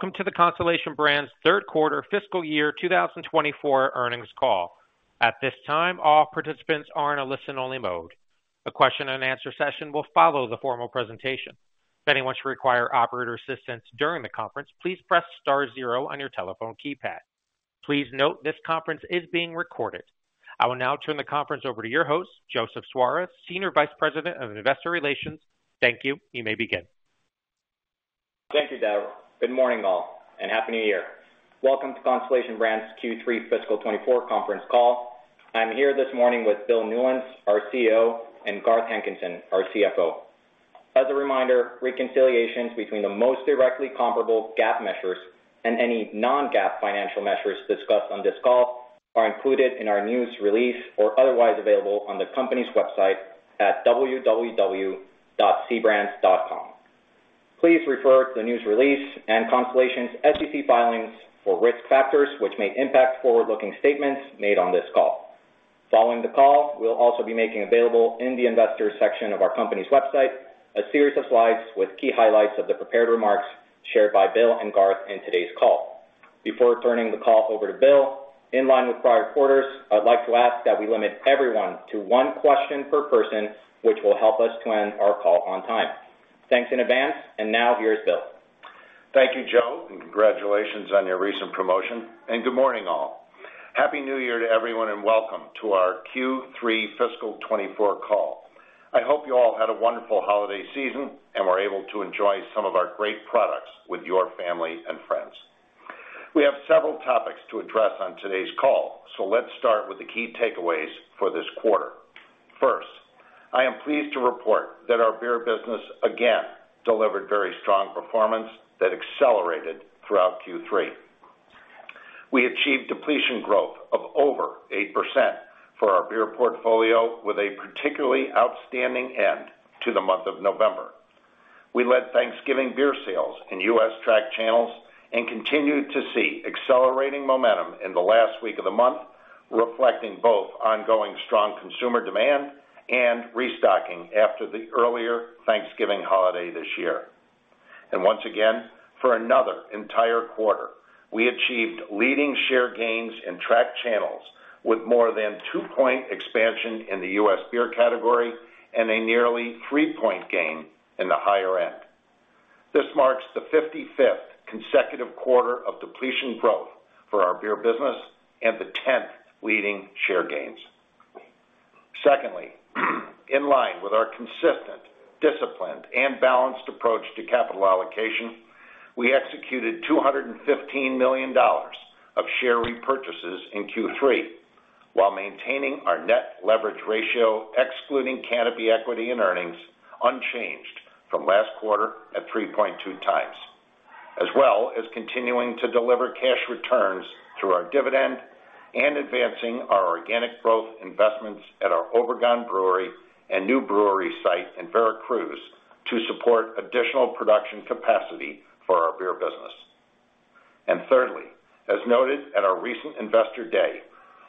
Welcome to the Constellation Brands Third Quarter Fiscal Year 2024 Earnings Call. At this time, all participants are in a listen-only mode. A question and answer session will follow the formal presentation. If anyone should require operator assistance during the conference, please press star zero on your telephone keypad. Please note, this conference is being recorded. I will now turn the conference over to your host, Joseph Suarez, Senior Vice President of Investor Relations. Thank you. You may begin. Thank you, Daryl. Good morning, all, and Happy New Year. Welcome to Constellation Brands' Q3 Fiscal 2024 Conference Call. I'm here this morning with Bill Newlands, our CEO, and Garth Hankinson, our CFO. As a reminder, reconciliations between the most directly comparable GAAP measures and any non-GAAP financial measures discussed on this call are included in our news release or otherwise available on the company's website at www.cbrands.com. Please refer to the news release and Constellation's SEC filings for risk factors, which may impact forward-looking statements made on this call. Following the call, we'll also be making available in the Investors section of our company's website, a series of slides with key highlights of the prepared remarks shared by Bill and Garth in today's call. Before turning the call over to Bill, in line with prior quarters, I'd like to ask that we limit everyone to one question per person, which will help us to end our call on time. Thanks in advance, and now here's Bill. Thank you, Joe, and congratulations on your recent promotion, and good morning, all. Happy New Year to everyone, and welcome to our Q3 fiscal 2024 call. I hope you all had a wonderful holiday season and were able to enjoy some of our great products with your family and friends. We have several topics to address on today's call, so let's start with the key takeaways for this quarter. First, I am pleased to report that our beer business, again, delivered very strong performance that accelerated throughout Q3. We achieved depletion growth of over 8% for our beer portfolio, with a particularly outstanding end to the month of November. We led Thanksgiving beer sales in U.S. tracked channels and continued to see accelerating momentum in the last week of the month, reflecting both ongoing strong consumer demand and restocking after the earlier Thanksgiving holiday this year. Once again, for another entire quarter, we achieved leading share gains in tracked channels with more than two-point expansion in the U.S. beer category and a nearly three-point gain in the higher end. This marks the 55th consecutive quarter of depletion growth for our beer business and the 10th leading share gains. Secondly, in line with our consistent, disciplined, and balanced approach to capital allocation, we executed $215 million of share repurchases in Q3, while maintaining our net leverage ratio, excluding Canopy equity in earnings, unchanged from last quarter at 3.2x, as well as continuing to deliver cash returns through our dividend and advancing our organic growth investments at our Obregón Brewery and new brewery site in Veracruz to support additional production capacity for our beer business. Thirdly, as noted at our recent Investor Day,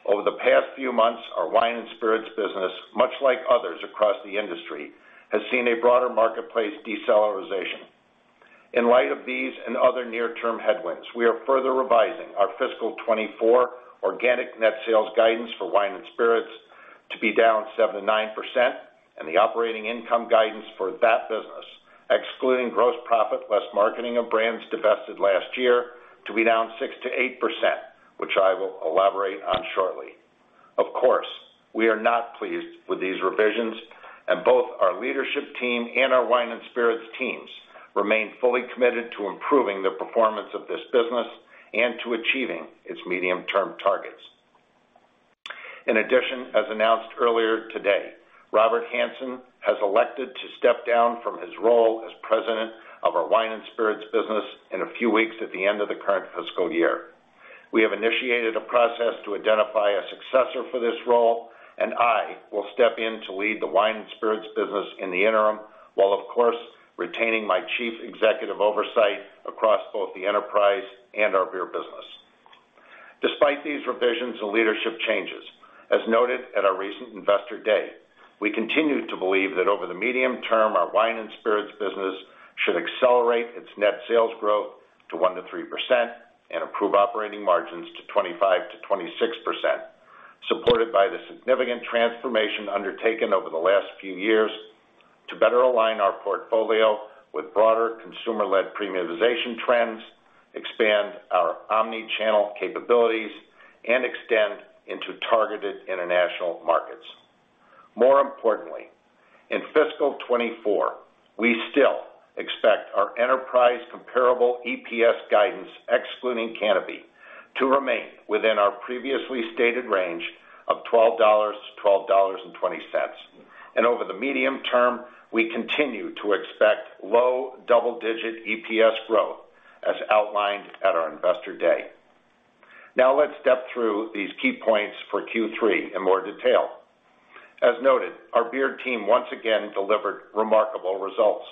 over the past few months, our wine and spirits business, much like others across the industry, has seen a broader marketplace deceleration. In light of these and other near-term headwinds, we are further revising our fiscal 2024 organic net sales guidance for wine and spirits to be down 7%-9%, and the operating income guidance for that business, excluding gross profit less marketing of brands divested last year, to be down 6%-8%, which I will elaborate on shortly. Of course, we are not pleased with these revisions, and both our leadership team and our wine and spirits teams remain fully committed to improving the performance of this business and to achieving its medium-term targets. In addition, as announced earlier today, Robert Hanson has elected to step down from his role as President of our Wine and Spirits business in a few weeks at the end of the current fiscal year. We have initiated a process to identify a successor for this role, and I will step in to lead the wine and spirits business in the interim, while of course, retaining my Chief Executive oversight across both the enterprise and our beer business. Despite these revisions and leadership changes, as noted at our recent Investor Day, we continue to believe that over the medium term, our wine and spirits business should accelerate its net sales growth to 1%-3% and improve operating margins to 25%-26%, supported by the significant transformation undertaken over the last few years to better align our portfolio with broader consumer-led premiumization trends, expand our omni-channel capabilities, and extend into targeted international markets. More importantly, in fiscal 2024, we still expect our enterprise comparable EPS guidance, excluding Canopy, to remain within our previously stated range of $12-$12.20. And over the medium term, we continue to expect low double-digit EPS growth as outlined at our Investor Day. Now, let's step through these key points for Q3 in more detail. As noted, our beer team once again delivered remarkable results.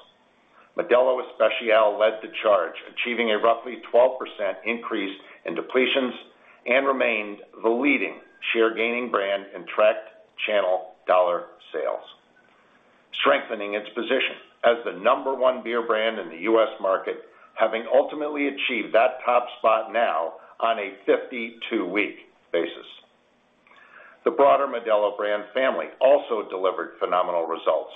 Modelo Especial led the charge, achieving a roughly 12% increase in depletions and remained the leading share gaining brand in tracked channels, strengthening its position as the number one beer brand in the U.S. market, having ultimately achieved that top spot now on a 52-week basis. The broader Modelo brand family also delivered phenomenal results.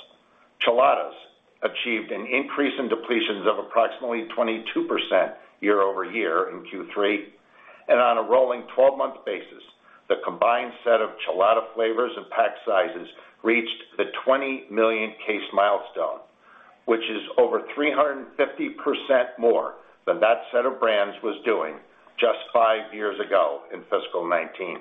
Cheladas achieved an increase in depletions of approximately 22% year-over-year in Q3, and on a rolling 12-month basis, the combined set of Chelada flavors and pack sizes reached the 20 million case milestone, which is over 350% more than that set of brands was doing just five years ago in fiscal 2019.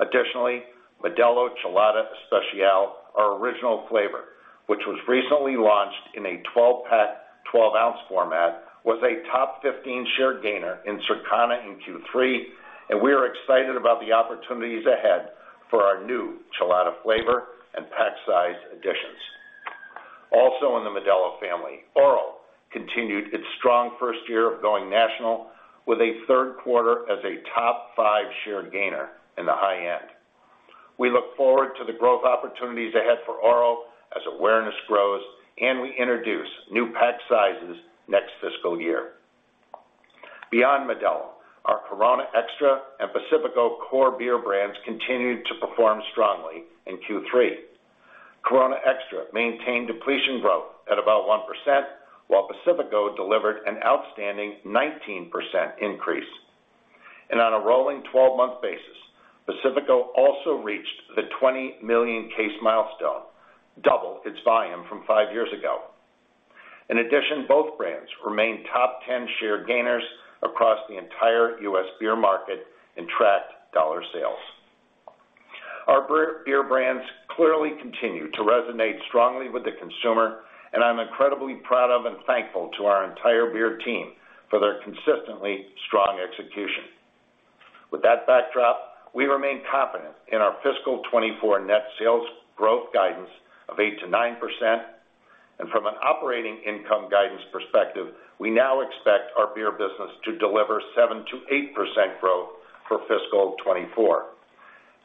Additionally, Modelo Chelada Especial, our original flavor, which was recently launched in a 12-pack, 12-ounce format, was a top 15 share gainer in Circana in Q3, and we are excited about the opportunities ahead for our new Chelada flavor and pack size additions. Also, in the Modelo family, Oro continued its strong first year of going national with a third quarter as a top five share gainer in the high end. We look forward to the growth opportunities ahead for Oro as awareness grows, and we introduce new pack sizes next fiscal year. Beyond Modelo, our Corona Extra and Pacifico core beer brands continued to perform strongly in Q3. Corona Extra maintained depletion growth at about 1%, while Pacifico delivered an outstanding 19% increase. And on a rolling 12-month basis, Pacifico also reached the 20 million case milestone, double its volume from five years ago. In addition, both brands remain top 10 share gainers across the entire U.S. beer market in tracked dollar sales. Our beer brands clearly continue to resonate strongly with the consumer, and I'm incredibly proud of and thankful to our entire beer team for their consistently strong execution. With that backdrop, we remain confident in our fiscal 2024 net sales growth guidance of 8%-9%, and from an operating income guidance perspective, we now expect our beer business to deliver 7%-8% growth for fiscal 2024,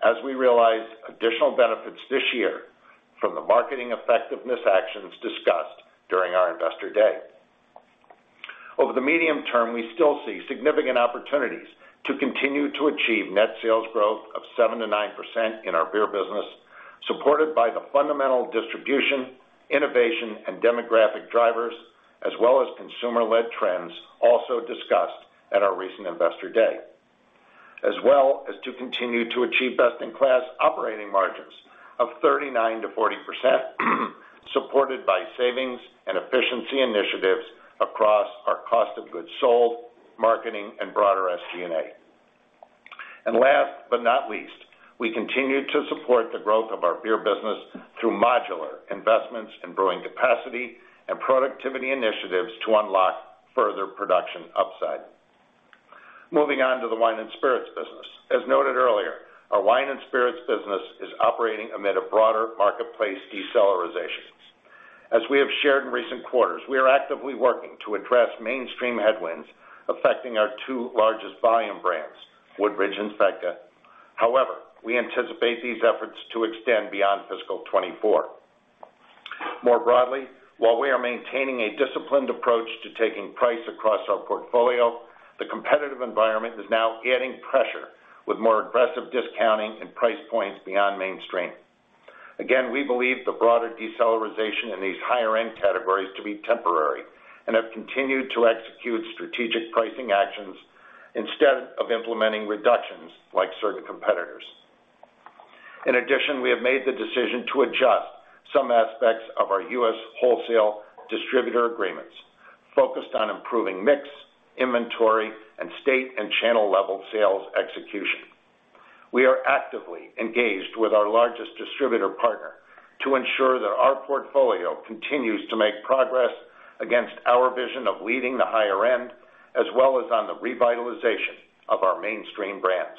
as we realize additional benefits this year from the marketing effectiveness actions discussed during our Investor Day. Over the medium term, we still see significant opportunities to continue to achieve net sales growth of 7%-9% in our beer business, supported by the fundamental distribution, innovation, and demographic drivers, as well as consumer-led trends also discussed at our recent Investor Day, as well as to continue to achieve best-in-class operating margins of 39%-40%, supported by savings and efficiency initiatives across our cost of goods sold, marketing, and broader SG&A. And last but not least, we continue to support the growth of our beer business through modular investments in brewing capacity and productivity initiatives to unlock further production upside. Moving on to the wine and spirits business. As noted earlier, our wine and spirits business is operating amid a broader marketplace deceleration. As we have shared in recent quarters, we are actively working to address mainstream headwinds affecting our two largest volume brands, Woodbridge and SVEDKA. However, we anticipate these efforts to extend beyond fiscal 2024. More broadly, while we are maintaining a disciplined approach to taking price across our portfolio, the competitive environment is now adding pressure with more aggressive discounting and price points beyond mainstream. Again, we believe the broader deceleration in these higher-end categories to be temporary and have continued to execute strategic pricing actions instead of implementing reductions like certain competitors. In addition, we have made the decision to adjust some aspects of our U.S. wholesale distributor agreements, focused on improving mix, inventory, and state and channel-level sales execution. We are actively engaged with our largest distributor partner to ensure that our portfolio continues to make progress against our vision of leading the higher end, as well as on the revitalization of our mainstream brands.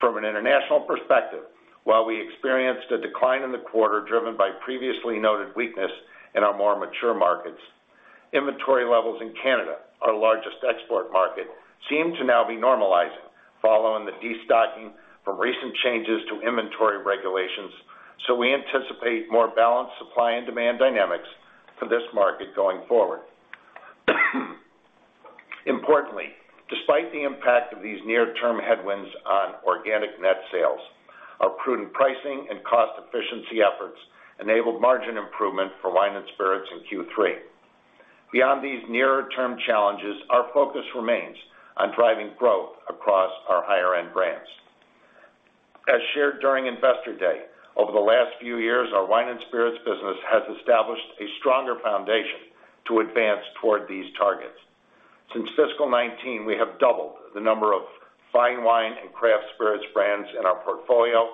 From an international perspective, while we experienced a decline in the quarter, driven by previously noted weakness in our more mature markets, inventory levels in Canada, our largest export market, seem to now be normalizing following the destocking from recent changes to inventory regulations, so we anticipate more balanced supply and demand dynamics for this market going forward. Importantly, despite the impact of these near-term headwinds on organic net sales, our prudent pricing and cost efficiency efforts enabled margin improvement for wine and spirits in Q3. Beyond these nearer-term challenges, our focus remains on driving growth across our higher-end brands. As shared during Investor Day, over the last few years, our wine and spirits business has established a stronger foundation to advance toward these targets. Since fiscal 2019, we have doubled the number of fine wine and craft spirits brands in our portfolio,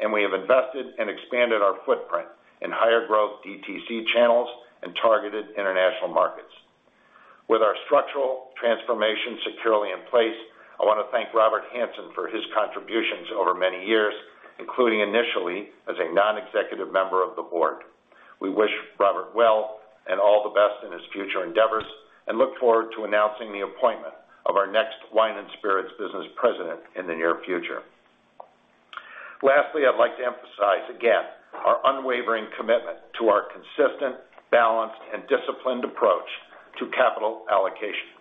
and we have invested and expanded our footprint in higher growth DTC channels and targeted international markets. With our structural transformation securely in place, I want to thank Robert Hanson for his contributions over many years, including initially as a non-executive member of the board. We wish Robert well... and all the best in his future endeavors, and look forward to announcing the appointment of our next wine and spirits business president in the near future. Lastly, I'd like to emphasize again, our unwavering commitment to our consistent, balanced, and disciplined approach to capital allocation.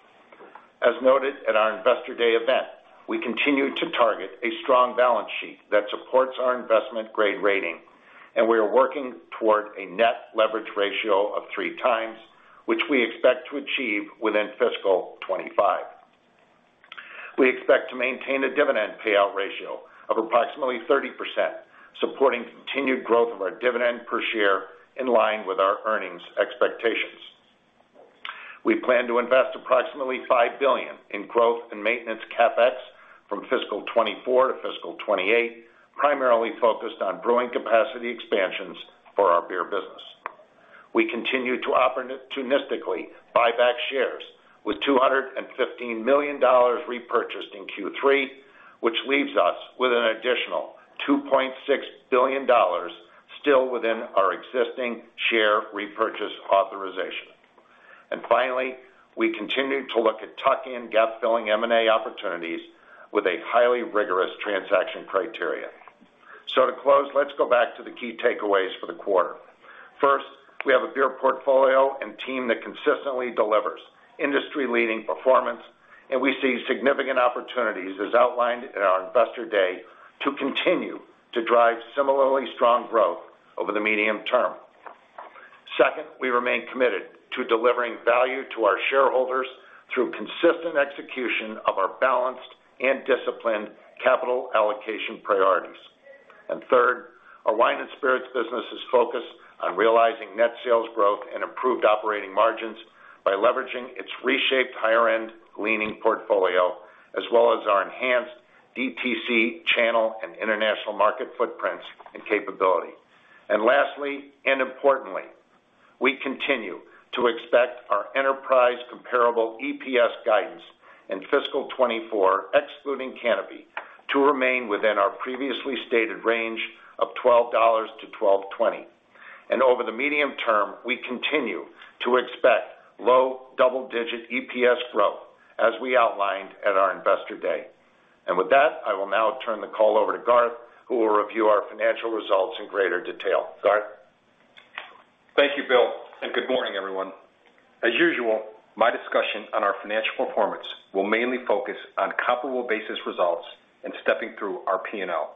As noted at our Investor Day event, we continue to target a strong balance sheet that supports our investment-grade rating, and we are working toward a net leverage ratio of 3x, which we expect to achieve within fiscal 2025. We expect to maintain a dividend payout ratio of approximately 30%, supporting continued growth of our dividend per share in line with our earnings expectations. We plan to invest approximately $5 billion in growth and maintenance CapEx from fiscal 2024 to fiscal 2028, primarily focused on brewing capacity expansions for our beer business. We continue to opportunistically buy back shares, with $215 million repurchased in Q3, which leaves us with an additional $2.6 billion still within our existing share repurchase authorization. And finally, we continue to look at tuck-in gap-filling M&A opportunities with a highly rigorous transaction criteria. To close, let's go back to the key takeaways for the quarter. First, we have a beer portfolio and team that consistently delivers industry-leading performance, and we see significant opportunities, as outlined in our Investor Day, to continue to drive similarly strong growth over the medium term. Second, we remain committed to delivering value to our shareholders through consistent execution of our balanced and disciplined capital allocation priorities. Third, our wine and spirits business is focused on realizing net sales growth and improved operating margins by leveraging its reshaped, higher-end leaning portfolio, as well as our enhanced DTC channel and international market footprints and capability. Lastly, and importantly, we continue to expect our enterprise comparable EPS guidance in fiscal 2024, excluding Canopy, to remain within our previously stated range of $12-$12.20. Over the medium term, we continue to expect low double-digit EPS growth as we outlined at our Investor Day. With that, I will now turn the call over to Garth, who will review our financial results in greater detail. Garth? Thank you, Bill, and good morning, everyone. As usual, my discussion on our financial performance will mainly focus on comparable basis results and stepping through our P&L.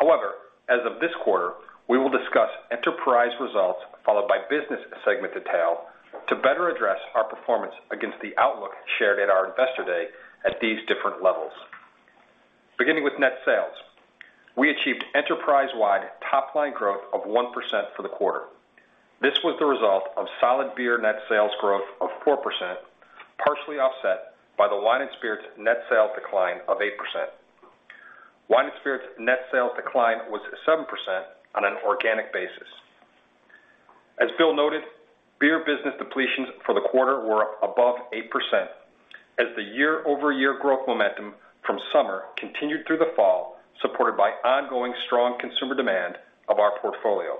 However, as of this quarter, we will discuss enterprise results followed by business segment detail to better address our performance against the outlook shared at our Investor Day at these different levels. Beginning with net sales, we achieved enterprise-wide top-line growth of 1% for the quarter. This was the result of solid beer net sales growth of 4%, partially offset by the wine and spirits net sales decline of 8%. Wine and spirits net sales decline was 7% on an organic basis. As Bill noted, beer business depletions for the quarter were above 8%, as the year-over-year growth momentum from summer continued through the fall, supported by ongoing strong consumer demand of our portfolio.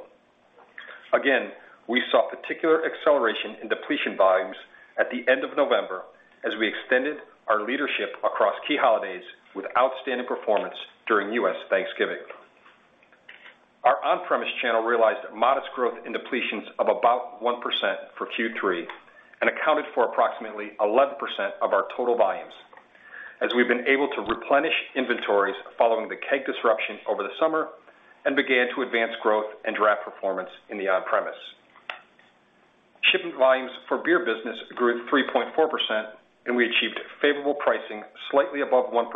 Again, we saw particular acceleration in depletion volumes at the end of November, as we extended our leadership across key holidays with outstanding performance during U.S. Thanksgiving. Our on-premise channel realized modest growth in depletions of about 1% for Q3 and accounted for approximately 11% of our total volumes, as we've been able to replenish inventories following the keg disruption over the summer and began to advance growth and draft performance in the on-premise. Shipment volumes for beer business grew 3.4%, and we achieved favorable pricing slightly above 1%,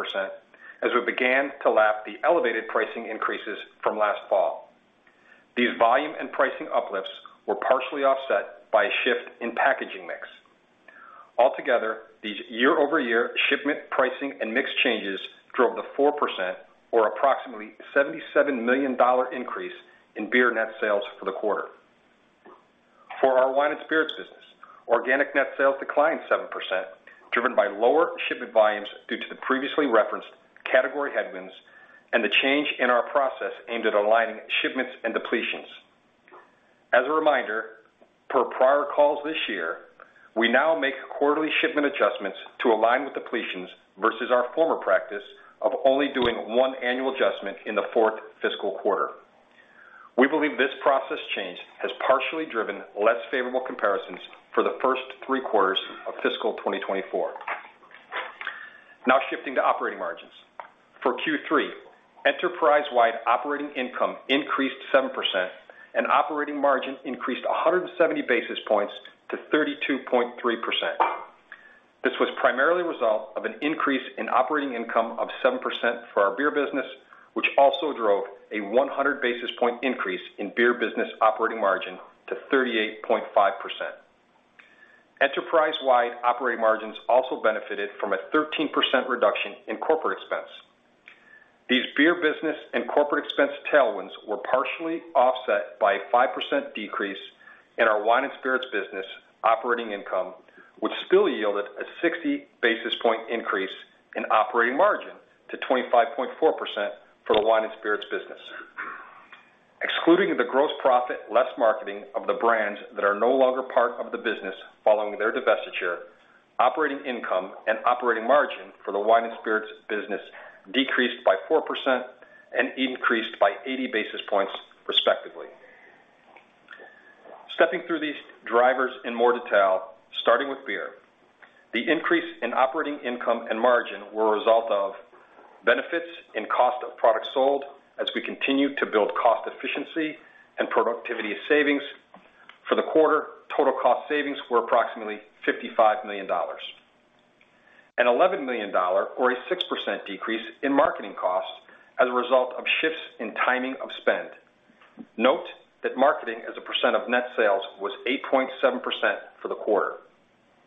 as we began to lap the elevated pricing increases from last fall. These volume and pricing uplifts were partially offset by a shift in packaging mix. Altogether, these year-over-year shipment, pricing, and mix changes drove the 4% or approximately $77 million increase in beer net sales for the quarter. For our wine and spirits business, organic net sales declined 7%, driven by lower shipment volumes due to the previously referenced category headwinds and the change in our process aimed at aligning shipments and depletions. As a reminder, per prior calls this year, we now make quarterly shipment adjustments to align with depletions versus our former practice of only doing one annual adjustment in the fourth fiscal quarter. We believe this process change has partially driven less favorable comparisons for the first three quarters of fiscal 2024. Now, shifting to operating margins. For Q3, enterprise-wide operating income increased 7%, and operating margin increased 170 basis points to 32.3%. This was primarily a result of an increase in operating income of 7% for our beer business, which also drove a 100 basis point increase in beer business operating margin to 38.5%. Enterprise-wide operating margins also benefited from a 13% reduction in corporate expense. These beer business and corporate expense tailwinds were partially offset by a 5% decrease in our wine and spirits business operating income, which still yielded a 60 basis point increase in operating margin to 25.4% for the wine and spirits business. Excluding the gross profit, less marketing of the brands that are no longer part of the business following their divestiture, operating income and operating margin for the wine and spirits business decreased by 4% and increased by 80 basis points, respectively. Stepping through these drivers in more detail, starting with beer. The increase in operating income and margin were a result of benefits and cost of products sold as we continue to build cost efficiency and productivity savings. For the quarter, total cost savings were approximately $55 million. An $11 million, or a 6% decrease in marketing costs as a result of shifts in timing of spend. Note that marketing as a percent of net sales, was 8.7% for the quarter.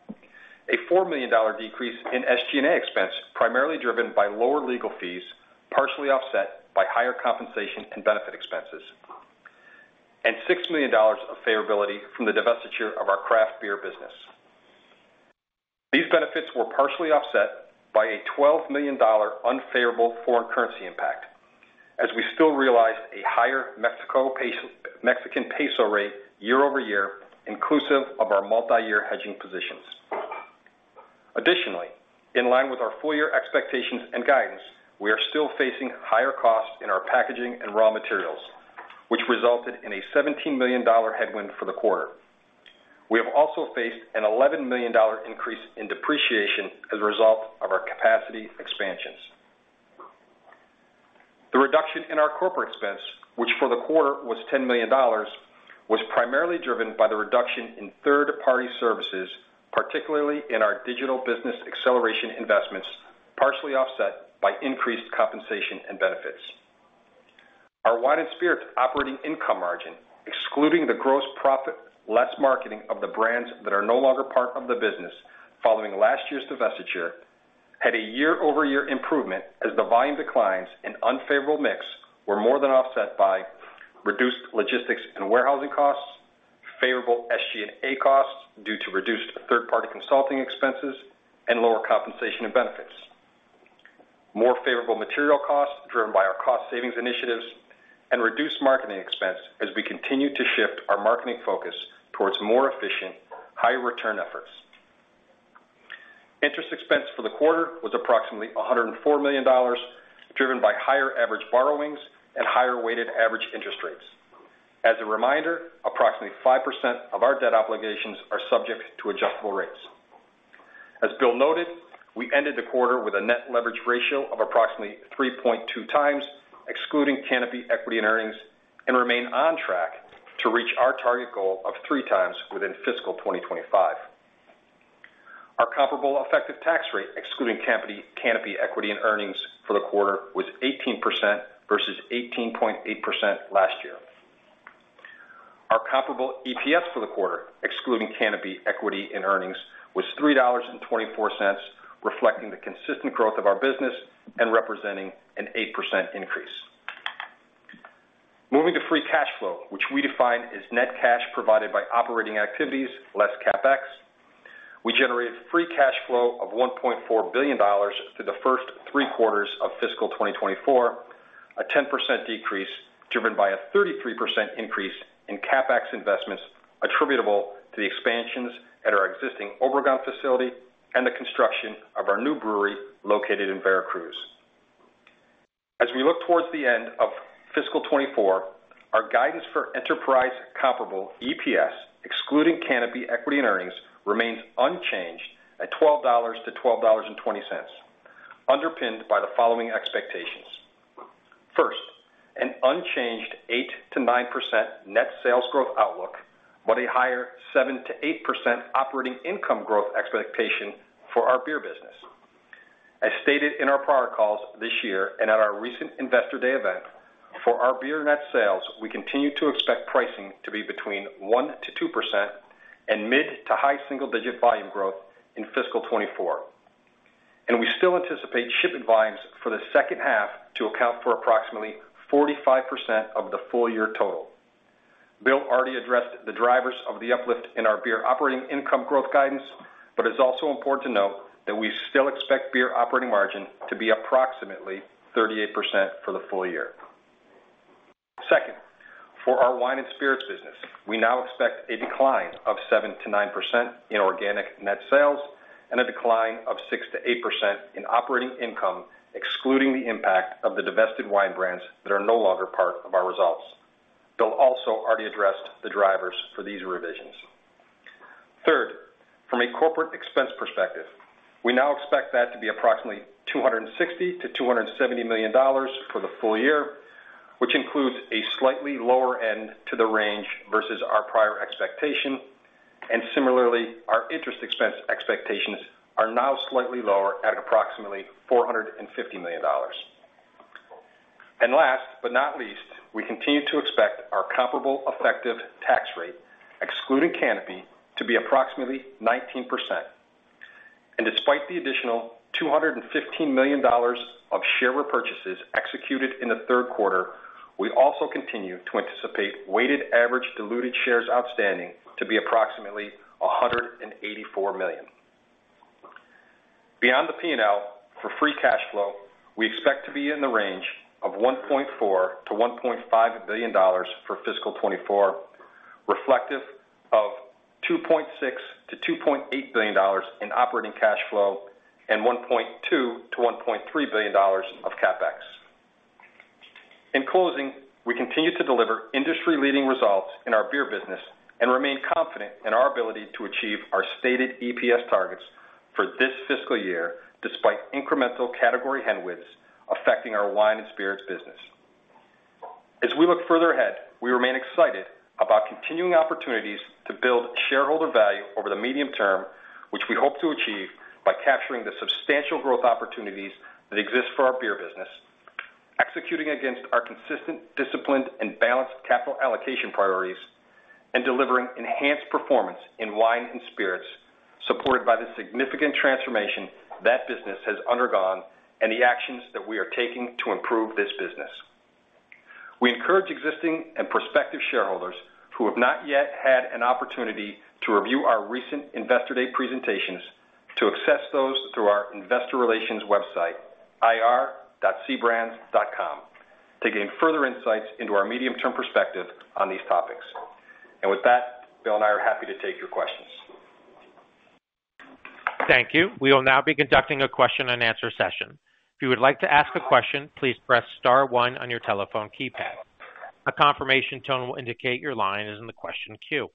A $4 million decrease in SG&A expense, primarily driven by lower legal fees, partially offset by higher compensation and benefit expenses, and $6 million of favorability from the divestiture of our craft beer business. These benefits were partially offset by a $12 million unfavorable foreign currency impact, as we still realized a higher Mexican peso rate year over year, inclusive of our multiyear hedging positions. Additionally, in line with our full year expectations and guidance, we are still facing higher costs in our packaging and raw materials, which resulted in a $17 million headwind for the quarter. We have also faced an $11 million increase in depreciation as a result of our capacity expansions. The reduction in our corporate expense, which for the quarter was $10 million, was primarily driven by the reduction in third-party services, particularly in our digital business acceleration investments, partially offset by increased compensation and benefits. Our wine and spirits operating income margin, excluding the gross profit, less marketing of the brands that are no longer part of the business following last year's divestiture, had a year-over-year improvement, as the volume declines and unfavorable mix were more than offset by reduced logistics and warehousing costs, favorable SG&A costs due to reduced third-party consulting expenses, and lower compensation and benefits, more favorable material costs driven by our cost savings initiatives, and reduced marketing expense as we continue to shift our marketing focus towards more efficient, high return efforts. Interest expense for the quarter was approximately $104 million, driven by higher average borrowings and higher weighted average interest rates. As a reminder, approximately 5% of our debt obligations are subject to adjustable rates. As Bill noted, we ended the quarter with a net leverage ratio of approximately 3.2x, excluding Canopy equity and earnings, and remain on track to reach our target goal of 3x within fiscal 2025. Our comparable effective tax rate, excluding Canopy, Canopy equity and earnings for the quarter, was 18% versus 18.8% last year. Our comparable EPS for the quarter, excluding Canopy equity in earnings, was $3.24, reflecting the consistent growth of our business and representing an 8% increase. Moving to free cash flow, which we define as net cash provided by operating activities, less CapEx. We generated free cash flow of $1.4 billion through the first three quarters of fiscal 2024, a 10% decrease, driven by a 33% increase in CapEx investments, attributable to the expansions at our existing Obregón facility and the construction of our new brewery located in Veracruz. As we look towards the end of fiscal 2024, our guidance for enterprise comparable EPS, excluding Canopy equity and earnings, remains unchanged at $12-$12.20, underpinned by the following expectations. First, an unchanged 8%-9% net sales growth outlook, but a higher 7%-8% operating income growth expectation for our beer business. As stated in our prior calls this year, and at our recent Investor Day event, for our beer net sales, we continue to expect pricing to be between 1%-2% and mid- to high single-digit volume growth in fiscal 2024, and we still anticipate shipping volumes for the second half to account for approximately 45% of the full year total. Bill already addressed the drivers of the uplift in our beer operating income growth guidance, but it's also important to note that we still expect beer operating margin to be approximately 38% for the full year. Second, for our wine and spirits business, we now expect a decline of 7%-9% in organic net sales, and a decline of 6%-8% in operating income, excluding the impact of the divested wine brands that are no longer part of our results. Bill also already addressed the drivers for these revisions. Third, from a corporate expense perspective, we now expect that to be approximately $260 million-$270 million for the full year, which includes a slightly lower end to the range versus our prior expectation. And similarly, our interest expense expectations are now slightly lower at approximately $450 million. And last, but not least, we continue to expect our comparable effective tax rate, excluding Canopy, to be approximately 19%.... and despite the additional $215 million of share repurchases executed in the third quarter, we also continue to anticipate weighted average diluted shares outstanding to be approximately 184 million. Beyond the P&L, for free cash flow, we expect to be in the range of $1.4 billion-$1.5 billion for fiscal 2024, reflective of $2.6 billion-$2.8 billion in operating cash flow and $1.2 billion-$1.3 billion of CapEx. In closing, we continue to deliver industry-leading results in our beer business and remain confident in our ability to achieve our stated EPS targets for this fiscal year, despite incremental category headwinds affecting our wine and spirits business. As we look further ahead, we remain excited about continuing opportunities to build shareholder value over the medium term, which we hope to achieve by capturing the substantial growth opportunities that exist for our beer business, executing against our consistent, disciplined, and balanced capital allocation priorities, and delivering enhanced performance in wine and spirits, supported by the significant transformation that business has undergone and the actions that we are taking to improve this business. We encourage existing and prospective shareholders who have not yet had an opportunity to review our recent Investor Day presentations, to access those through our investor relations website, ir.cbrands.com, to gain further insights into our medium-term perspective on these topics. With that, Bill and I are happy to take your questions. Thank you. We will now be conducting a question-and-answer session. If you would like to ask a question, please press star one on your telephone keypad. A confirmation tone will indicate your line is in the question queue.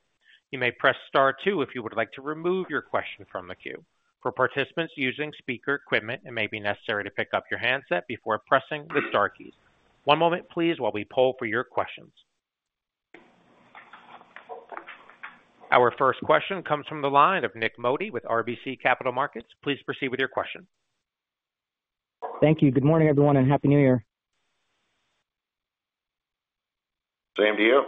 You may press star two if you would like to remove your question from the queue. For participants using speaker equipment, it may be necessary to pick up your handset before pressing the star keys. One moment, please, while we poll for your questions. Our first question comes from the line of Nik Modi with RBC Capital Markets. Please proceed with your question. Thank you. Good morning, everyone, and Happy New Year. Same to you.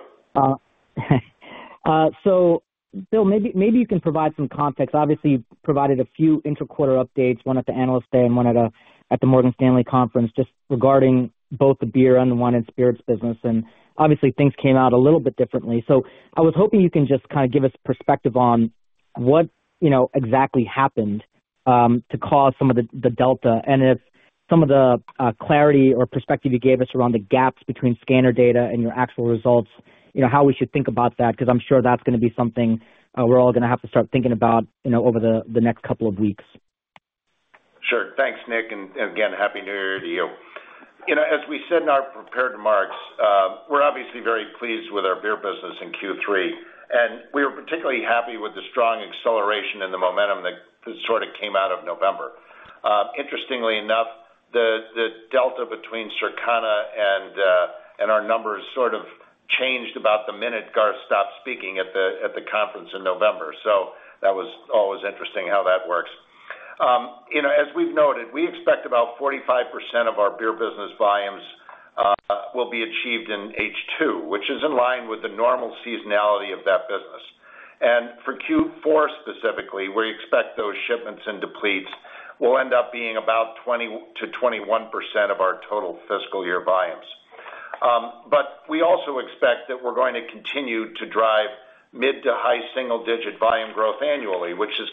So Bill, maybe, maybe you can provide some context. Obviously, you've provided a few interquarter updates, one at the Analyst Day and one at the Morgan Stanley conference, just regarding both the beer and the wine and spirits business. And obviously, things came out a little bit differently. So I was hoping you can just kind of give us perspective on what, you know, exactly happened to cause some of the delta, and if some of the clarity or perspective you gave us around the gaps between scanner data and your actual results, you know, how we should think about that, because I'm sure that's going to be something we're all going to have to start thinking about, you know, over the next couple of weeks. Sure. Thanks, Nik, and again, Happy New Year to you. You know, as we said in our prepared remarks, we're obviously very pleased with our beer business in Q3, and we are particularly happy with the strong acceleration and the momentum that sort of came out of November. Interestingly enough, the delta between Circana and our numbers sort of changed about the minute Garth stopped speaking at the conference in November. So that was always interesting how that works. You know, as we've noted, we expect about 45% of our beer business volumes will be achieved in H2, which is in line with the normal seasonality of that business. And for Q4, specifically, we expect those shipments and depletes will end up being about 20%-21% of our total fiscal year volumes. But we also expect that we're going to continue to drive mid- to high-single-digit volume growth annually, which is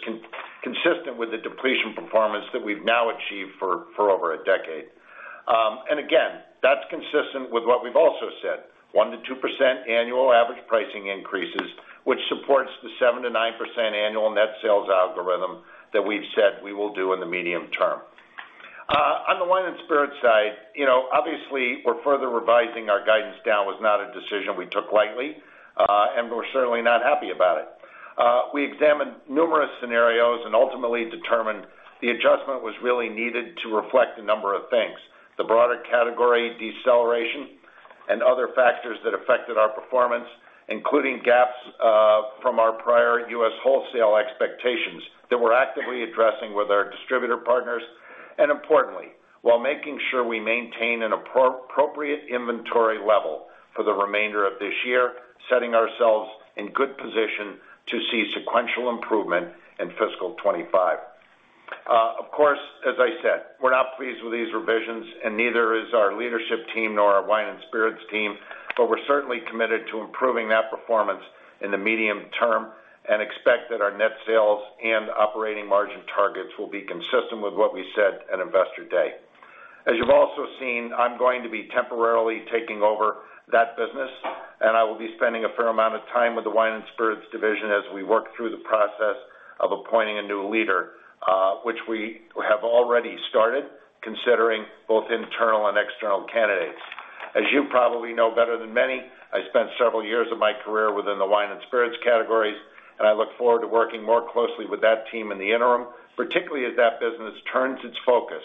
consistent with the depletion performance that we've now achieved for over a decade. And again, that's consistent with what we've also said, 1%-2% annual average pricing increases, which supports the 7%-9% annual net sales algorithm that we've said we will do in the medium term. On the wine and spirits side, you know, obviously, we're further revising our guidance down, was not a decision we took lightly, and we're certainly not happy about it. We examined numerous scenarios and ultimately determined the adjustment was really needed to reflect a number of things, the broader category deceleration, and other factors that affected our performance, including gaps from our prior U.S. wholesale expectations that we're actively addressing with our distributor partners, and importantly, while making sure we maintain an appropriate inventory level for the remainder of this year, setting ourselves in good position to see sequential improvement in fiscal 2025. Of course, as I said, we're not pleased with these revisions, and neither is our leadership team nor our wine and spirits team, but we're certainly committed to improving that performance in the medium term and expect that our net sales and operating margin targets will be consistent with what we said at Investor Day. As you've also seen, I'm going to be temporarily taking over that business, and I will be spending a fair amount of time with the wine and spirits division as we work through the process of appointing a new leader, which we have already started, considering both internal and external candidates. As you probably know better than many, I spent several years of my career within the wine and spirits categories, and I look forward to working more closely with that team in the interim, particularly as that business turns its focus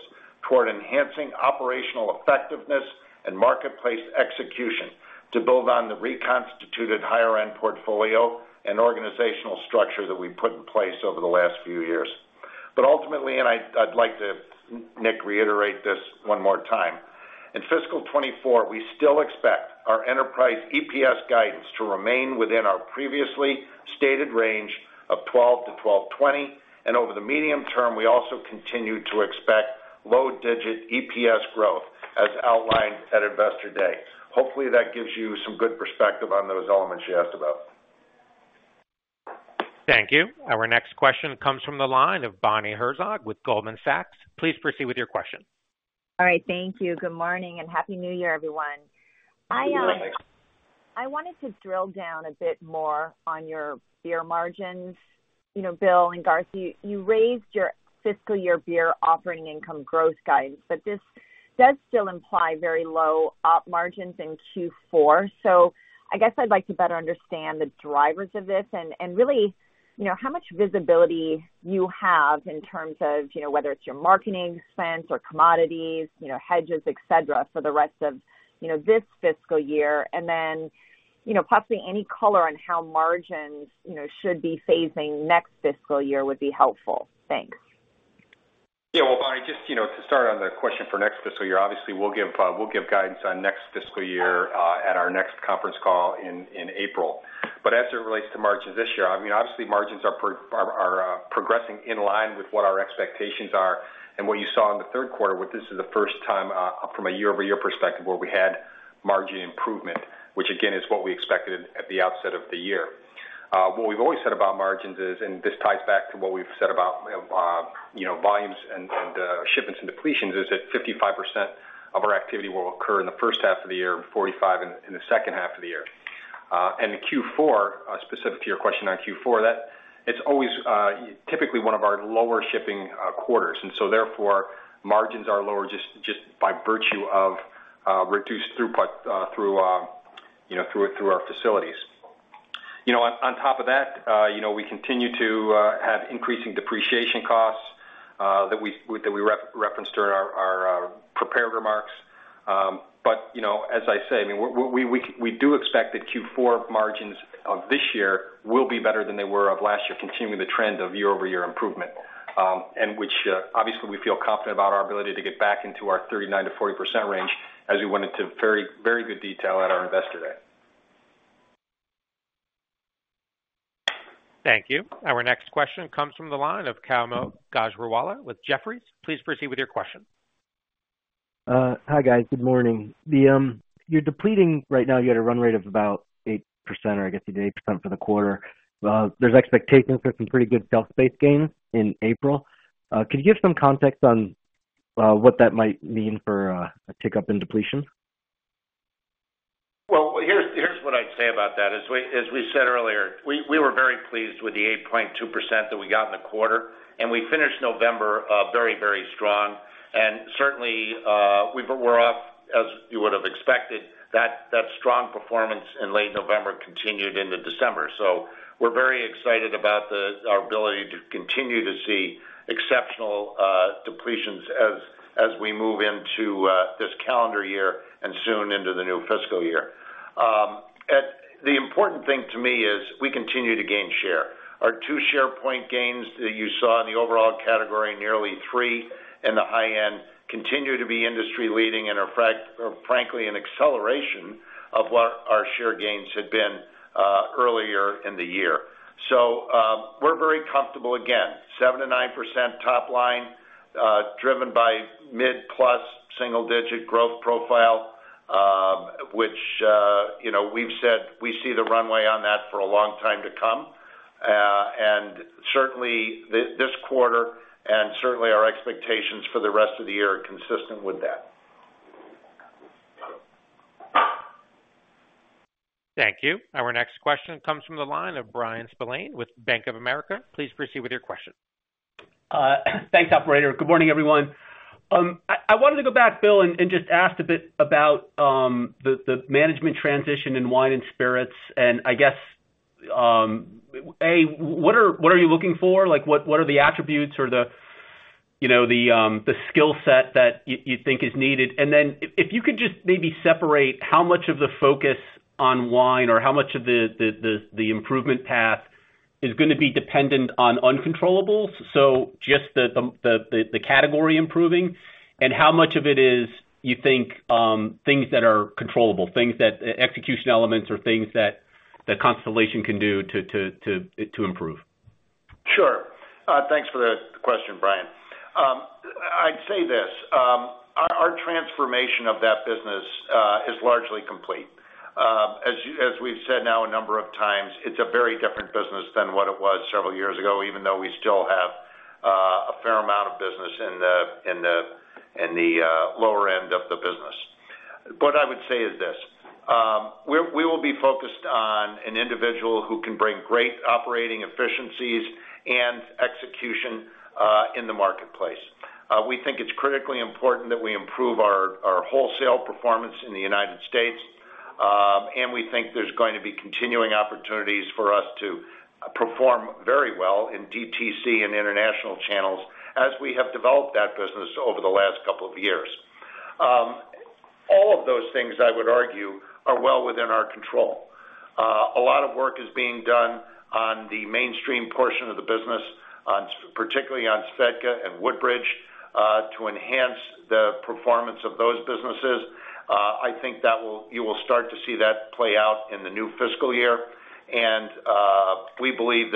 toward enhancing operational effectiveness and marketplace execution to build on the reconstituted higher-end portfolio and organizational structure that we put in place over the last few years. But ultimately, and I'd, I'd like to, Nik, reiterate this one more time.... In fiscal 2024, we still expect our enterprise EPS guidance to remain within our previously stated range of $12.00-$12.20, and over the medium term, we also continue to expect low digit EPS growth as outlined at Investor Day. Hopefully, that gives you some good perspective on those elements you asked about. Thank you. Our next question comes from the line of Bonnie Herzog with Goldman Sachs. Please proceed with your question. All right, thank you. Good morning, and happy New Year, everyone. I wanted to drill down a bit more on your beer margins. You know, Bill and Garth, you raised your fiscal year beer operating income growth guidance, but this does still imply very low op margins in Q4. So I guess I'd like to better understand the drivers of this and really, you know, how much visibility you have in terms of, you know, whether it's your marketing spends or commodities, you know, hedges, et cetera, for the rest of, you know, this fiscal year. And then, you know, possibly any color on how margins, you know, should be phasing next fiscal year would be helpful. Thanks. Yeah. Well, Bonnie, just, you know, to start on the question for next fiscal year, obviously, we'll give guidance on next fiscal year at our next conference call in April. But as it relates to margins this year, I mean, obviously, margins are progressing in line with what our expectations are and what you saw in the third quarter. This is the first time from a year-over-year perspective where we had margin improvement, which again is what we expected at the outset of the year. What we've always said about margins is, and this ties back to what we've said about, you know, volumes and shipments and depletions, is that 55% of our activity will occur in the first half of the year, and 45% in the second half of the year. And the Q4, specific to your question on Q4, that it's always typically one of our lower shipping quarters, and so therefore, margins are lower just by virtue of reduced throughput through you know, through our facilities. You know, on top of that, you know, we continue to have increasing depreciation costs that we referenced during our prepared remarks. But you know, as I say, I mean, we do expect that Q4 margins of this year will be better than they were of last year, continuing the trend of year-over-year improvement. And which obviously, we feel confident about our ability to get back into our 39%-40% range, as we went into very good detail at our Investor Day. Thank you. Our next question comes from the line of Kaumil Gajrawala with Jefferies. Please proceed with your question. Hi, guys. Good morning. You're depleting right now, you had a run rate of about 8%, or I guess you did 8% for the quarter. There's expectations for some pretty good shelf space gains in April. Could you give some context on what that might mean for a tick-up in depletion? Well, here's what I'd say about that. As we said earlier, we were very pleased with the 8.2% that we got in the quarter, and we finished November very strong. And certainly we're off, as you would have expected, that strong performance in late November continued into December. So we're very excited about our ability to continue to see exceptional depletions as we move into this calendar year and soon into the new fiscal year. The important thing to me is we continue to gain share. Our two share point gains that you saw in the overall category, nearly three in the high end, continue to be industry leading and are frankly an acceleration of what our share gains had been earlier in the year. So, we're very comfortable, again, 7%-9% top line, driven by mid- plus single-digit growth profile, which, you know, we've said we see the runway on that for a long time to come. And certainly, this quarter, and certainly, our expectations for the rest of the year are consistent with that. Thank you. Our next question comes from the line of Bryan Spillane with Bank of America. Please proceed with your question. Thanks, operator. Good morning, everyone. I wanted to go back, Bill, and just ask a bit about the management transition in wine and spirits, and I guess, what are you looking for? Like, what are the attributes or the, you know, the skill set that you think is needed? And then if you could just maybe separate how much of the focus on wine or how much of the improvement path is gonna be dependent on uncontrollables, so just the category improving, and how much of it is you think things that are controllable, things that execution elements or things that Constellation can do to improve? Sure. Thanks for the question, Brian. I'd say this, our transformation of that business is largely complete. As we've said now a number of times, it's a very different business than what it was several years ago, even though we still have a fair amount of business in the lower end of the business. What I would say is this, we will be focused on an individual who can bring great operating efficiencies and execution in the marketplace. We think it's critically important that we improve our wholesale performance in the United States, and we think there's going to be continuing opportunities for us to perform very well in DTC and international channels, as we have developed that business over the last couple of years. All of those things, I would argue, are well within our control. A lot of work is being done on the mainstream portion of the business, particularly on SVEDKA and Woodbridge, to enhance the performance of those businesses. I think you will start to see that play out in the new fiscal year, and we believe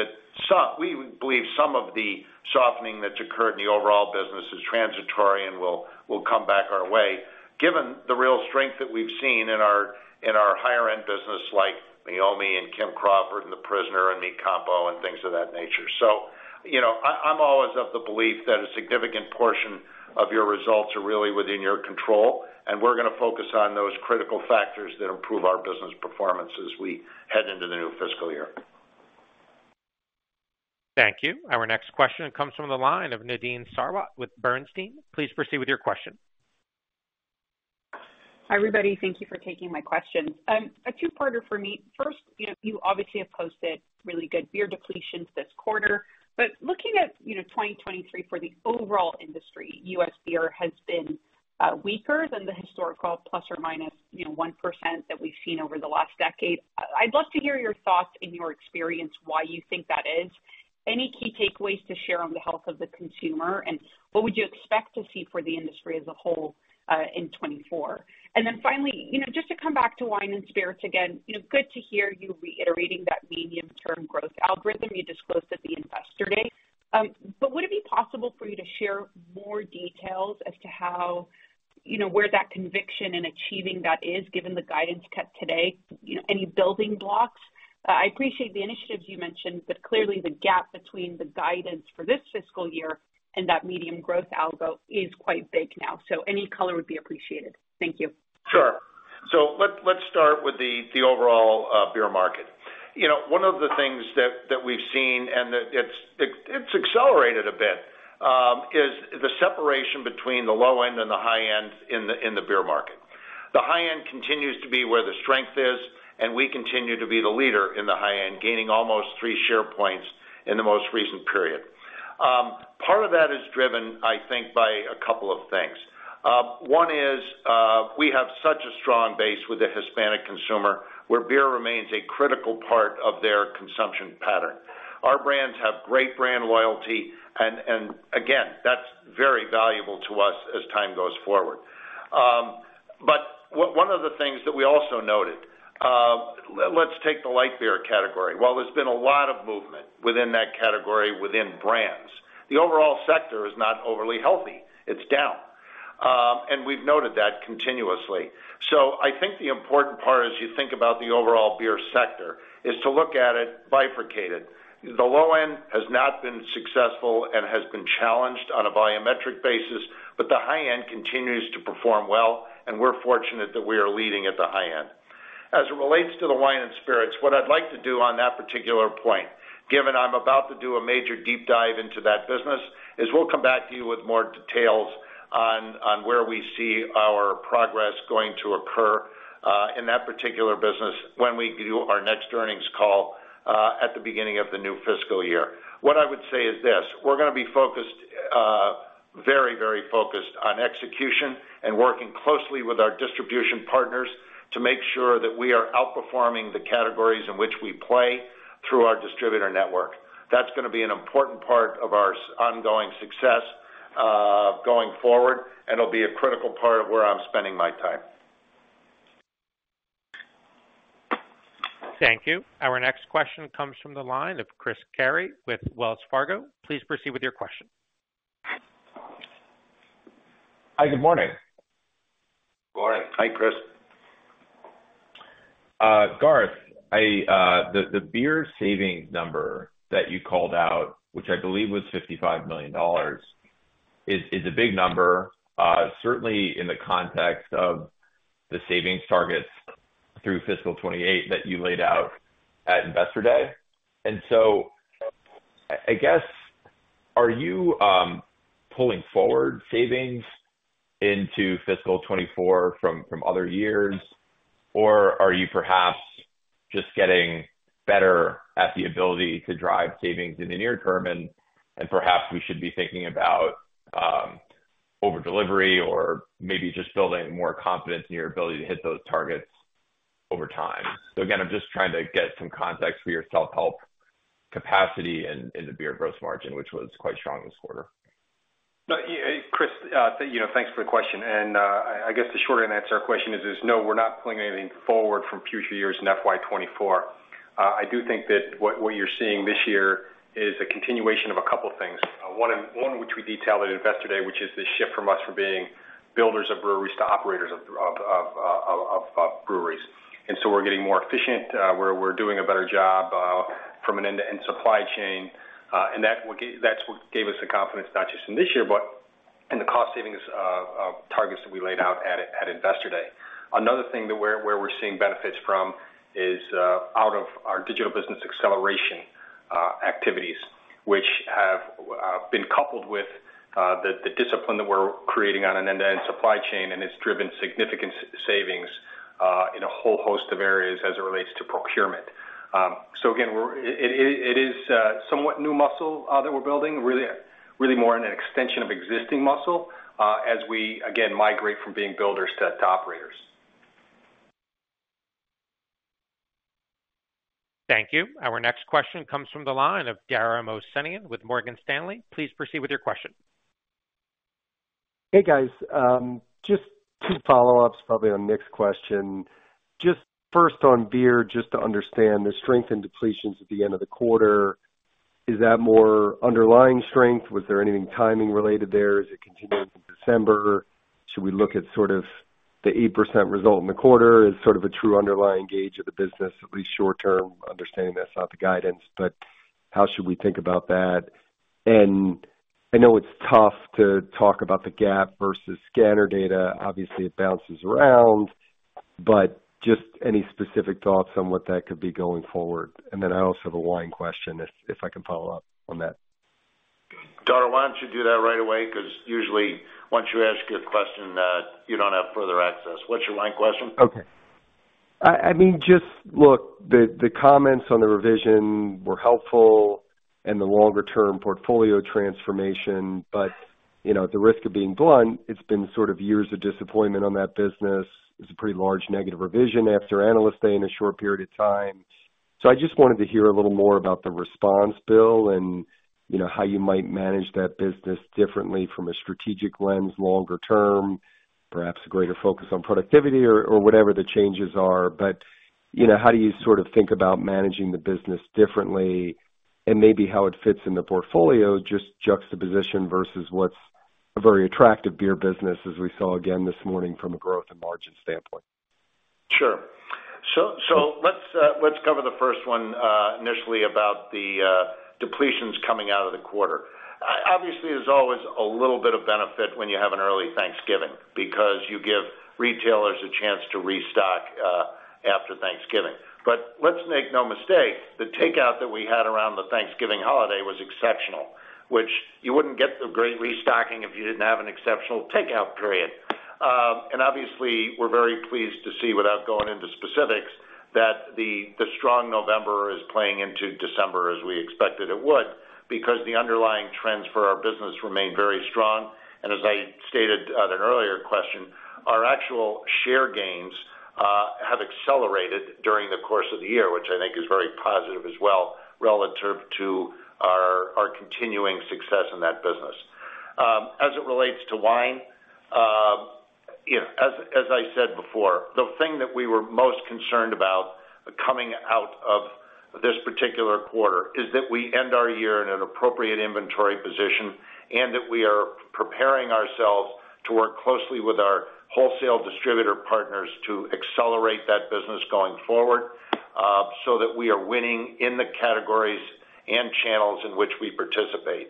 some of the softening that's occurred in the overall business is transitory and will come back our way, given the real strength that we've seen in our higher end business, like Meiomi and Kim Crawford, and The Prisoner, and Mi Campo, and things of that nature. You know, I, I'm always of the belief that a significant portion of your results are really within your control, and we're gonna focus on those critical factors that improve our business performance as we head into the new fiscal year. Thank you. Our next question comes from the line of Nadine Sarwat with Bernstein. Please proceed with your question. Hi, everybody. Thank you for taking my questions. A two-parter for me. First, you know, you obviously have posted really good beer depletions this quarter, but looking at, you know, 2023 for the overall industry, U.S. beer has been weaker than the historical ±1% that we've seen over the last decade. I'd love to hear your thoughts and your experience, why you think that is. Any key takeaways to share on the health of the consumer, and what would you expect to see for the industry as a whole in 2024? And then finally, you know, just to come back to wine and spirits again, you know, good to hear you reiterating that medium-term growth algorithm you disclosed at the Investor Day. But would it be possible for you to share more details as to how, you know, where that conviction in achieving that is, given the guidance cut today? You know, any building blocks. I appreciate the initiatives you mentioned, but clearly the gap between the guidance for this fiscal year and that medium growth algo is quite big now, so any color would be appreciated. Thank you. Sure. So let's start with the overall beer market. You know, one of the things that we've seen, and that it's accelerated a bit, is the separation between the low end and the high end in the beer market. The high end continues to be where the strength is, and we continue to be the leader in the high end, gaining almost three share points in the most recent period. Part of that is driven, I think, by a couple of things. One is, we have such a strong base with the Hispanic consumer, where beer remains a critical part of their consumption pattern. Our brands have great brand loyalty, and again, that's very valuable to us as time goes forward. But one of the things that we also noted, let's take the light beer category. While there's been a lot of movement within that category, within brands, the overall sector is not overly healthy. It's down. And we've noted that continuously. So I think the important part as you think about the overall beer sector is to look at it bifurcated. The low end has not been successful and has been challenged on a volume metric basis, but the high end continues to perform well, and we're fortunate that we are leading at the high end. As it relates to the wine and spirits, what I'd like to do on that particular point, given I'm about to do a major deep dive into that business, is we'll come back to you with more details on where we see our progress going to occur in that particular business when we do our next earnings call at the beginning of the new fiscal year. What I would say is this: We're gonna be focused, very, very focused on execution and working closely with our distribution partners to make sure that we are outperforming the categories in which we play through our distributor network. That's gonna be an important part of our ongoing success going forward, and it'll be a critical part of where I'm spending my time. Thank you. Our next question comes from the line of Chris Carey with Wells Fargo. Please proceed with your question. Hi, good morning. Morning. Hi, Chris. Garth, I, the beer savings number that you called out, which I believe was $55 million, is a big number, certainly in the context of the savings targets through fiscal 2028 that you laid out at Investor Day. So I guess, are you pulling forward savings into fiscal 2024 from other years, or are you perhaps just getting better at the ability to drive savings in the near term, and perhaps we should be thinking about over delivery or maybe just building more confidence in your ability to hit those targets over time? So again, I'm just trying to get some context for your self-help capacity in the beer gross margin, which was quite strong this quarter. No, yeah, Chris, you know, thanks for the question, and, I guess the short answer is no, we're not pulling anything forward from future years in FY 2024. I do think that what you're seeing this year is a continuation of a couple things. One, which we detailed at Investor Day, which is the shift from us from being builders of breweries to operators of breweries. And so we're getting more efficient, we're doing a better job from an end-to-end supply chain, and that will give—that's what gave us the confidence, not just in this year, but in the cost savings targets that we laid out at Investor Day. Another thing where we're seeing benefits from is out of our digital business acceleration activities, which have been coupled with the discipline that we're creating on an end-to-end supply chain, and it's driven significant savings in a whole host of areas as it relates to procurement. So again, it is somewhat new muscle that we're building, really, really more in an extension of existing muscle, as we again migrate from being builders to operators. Thank you. Our next question comes from the line of Dara Mohsenian with Morgan Stanley. Please proceed with your question. Hey, guys. Just two follow-ups, probably on Nick's question. Just first on beer, just to understand the strength and depletions at the end of the quarter, is that more underlying strength? Was there anything timing-related there? Is it continuing in December? Should we look at sort of the 8% result in the quarter as sort of a true underlying gauge of the business, at least short-term, understanding that's not the guidance, but how should we think about that? And I know it's tough to talk about the gap versus scanner data. Obviously, it bounces around, but just any specific thoughts on what that could be going forward? And then I also have a wine question, if I can follow up on that. Dara, why don't you do that right away? Because usually once you ask your question, you don't have further access. What's your wine question? Okay. I mean, just look, the comments on the revision were helpful and the longer term portfolio transformation, but, you know, at the risk of being blunt, it's been sort of years of disappointment on that business. It's a pretty large negative revision after Analyst Day in a short period of time. So I just wanted to hear a little more about the response, Bill, and you know, how you might manage that business differently from a strategic lens longer term, perhaps a greater focus on productivity or whatever the changes are. But, you know, how do you sort of think about managing the business differently and maybe how it fits in the portfolio, just juxtaposition versus what's a very attractive beer business, as we saw again this morning from a growth and margin standpoint? Sure. So let's cover the first one, initially about the depletions coming out of the quarter. Obviously, there's always a little bit of benefit when you have an early Thanksgiving, because you give retailers a chance to restock after Thanksgiving. But let's make no mistake, the takeout that we had around the Thanksgiving holiday was exceptional, which you wouldn't get the great restocking if you didn't have an exceptional takeout period. And obviously, we're very pleased to see, without going into specifics, that the strong November is playing into December as we expected it would, because the underlying trends for our business remain very strong. As I stated at an earlier question, our actual share gains have accelerated during the course of the year, which I think is very positive as well, relative to our continuing success in that business. As it relates to wine, you know, as I said before, the thing that we were most concerned about coming out of this particular quarter is that we end our year in an appropriate inventory position, and that we are preparing ourselves to work closely with our wholesale distributor partners to accelerate that business going forward, so that we are winning in the categories and channels in which we participate.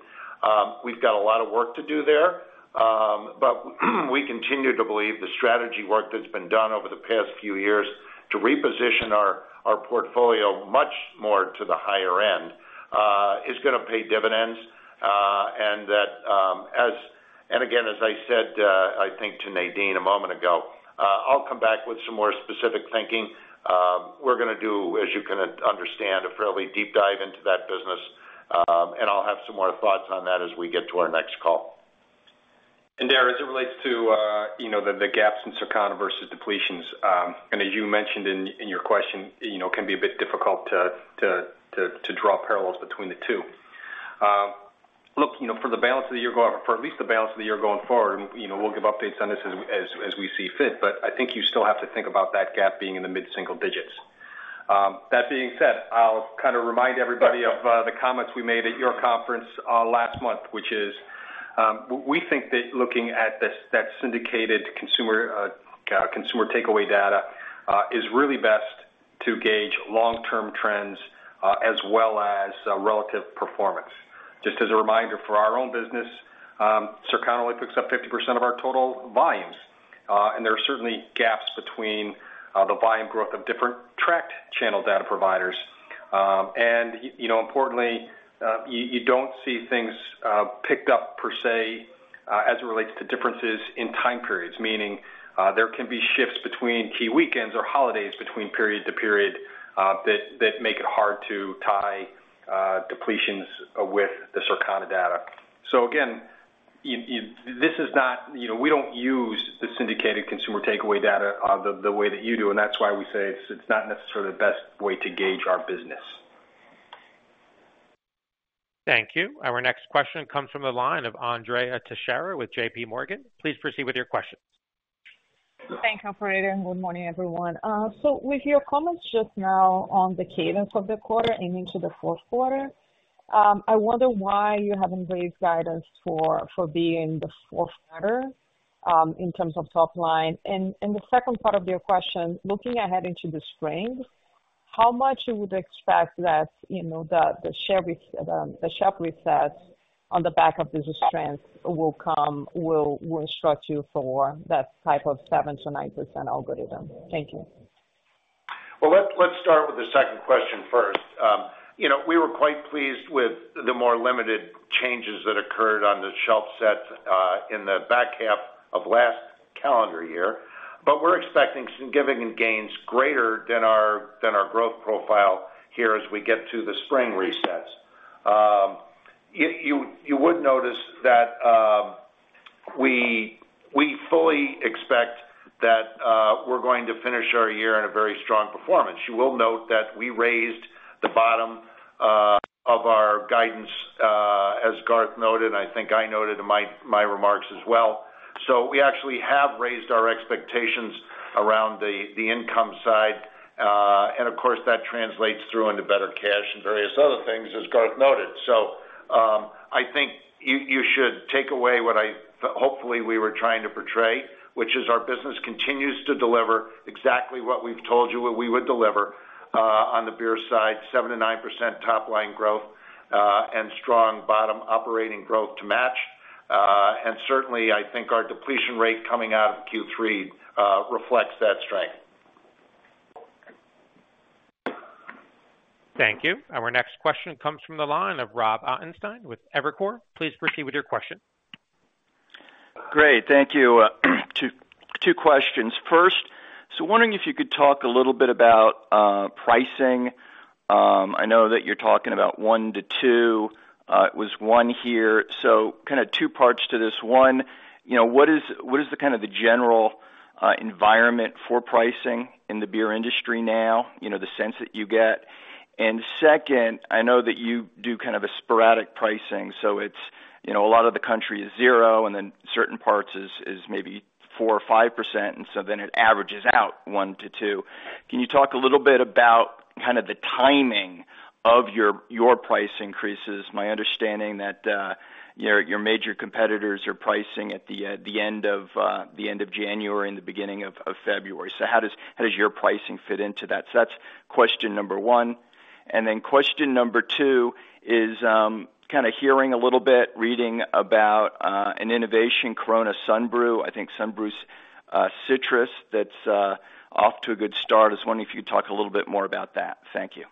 We've got a lot of work to do there, but we continue to believe the strategy work that's been done over the past few years to reposition our, our portfolio much more to the higher end, is gonna pay dividends, and that, And again, as I said, I think to Nadine a moment ago, I'll come back with some more specific thinking. We're gonna do, as you can understand, a fairly deep dive into that business, and I'll have some more thoughts on that as we get to our next call. And Dara, as it relates to, you know, the gaps in Circana versus depletions, and as you mentioned in your question, you know, can be a bit difficult to draw parallels between the two. Look, you know, for the balance of the year, for at least the balance of the year going forward, you know, we'll give updates on this as we see fit, but I think you still have to think about that gap being in the mid-single digits. That being said, I'll kind of remind everybody of the comments we made at your conference last month, which is, we think that looking at that syndicated consumer takeaway data is really best to gauge long-term trends, as well as relative performance. Just as a reminder, for our own business, Circana only picks up 50% of our total volumes, and there are certainly gaps between the volume growth of different tracked channel data providers. And, you know, importantly, you don't see things picked up per se, as it relates to differences in time periods, meaning there can be shifts between key weekends or holidays between period to period, that make it hard to tie depletions with the Circana data. So again, this is not, you know, we don't use the syndicated consumer takeaway data the way that you do, and that's why we say it's not necessarily the best way to gauge our business. Thank you. Our next question comes from the line of Andrea Teixeira with JPMorgan. Please proceed with your questions. Thank you, operator, and good morning, everyone. So with your comments just now on the cadence of the quarter and into the fourth quarter, I wonder why you haven't raised guidance for, for being the fourth quarter, in terms of top line? And, and the second part of your question, looking ahead into the spring, how much you would expect that, you know, the, the share re- the shelf resets on the back of business strength will come, will, will instruct you for that type of 7%-9% algorithm? Thank you. Well, let's start with the second question first. You know, we were quite pleased with the more limited changes that occurred on the shelf sets in the back half of last calendar year, but we're expecting some giving and gains greater than our growth profile here as we get to the spring resets. You would notice that we fully expect that we're going to finish our year in a very strong performance. You will note that we raised the bottom of our guidance, as Garth noted, and I think I noted in my remarks as well. So we actually have raised our expectations around the income side. And of course, that translates through into better cash and various other things, as Garth noted. So, I think you should take away what I hopefully we were trying to portray, which is our business continues to deliver exactly what we've told you what we would deliver, on the beer side, 7%-9% top line growth, and strong bottom operating growth to match. And certainly, I think our depletion rate coming out of Q3 reflects that strength. Thank you. Our next question comes from the line of Rob Ottenstein with Evercore. Please proceed with your question. Great, thank you. Two questions. First, wondering if you could talk a little bit about pricing. I know that you're talking about 1%-2%. It was 1% here. So kind of two parts to this. One, you know, what is the kind of the general environment for pricing in the beer industry now? You know, the sense that you get. And second, I know that you do kind of a sporadic pricing, so it's, you know, a lot of the country is 0%, and then certain parts is maybe 4% or 5%, and so then it averages out 1%-2%. Can you talk a little bit about kind of the timing of your price increases? My understanding that your major competitors are pricing at the end of January and the beginning of February. So how does your pricing fit into that? So that's question number one. And then question number two is, kind of hearing a little bit, reading about an innovation, Corona Sunbrew. I think Sunbrew's Citrus, that's off to a good start. I was wondering if you could talk a little bit more about that. Thank you.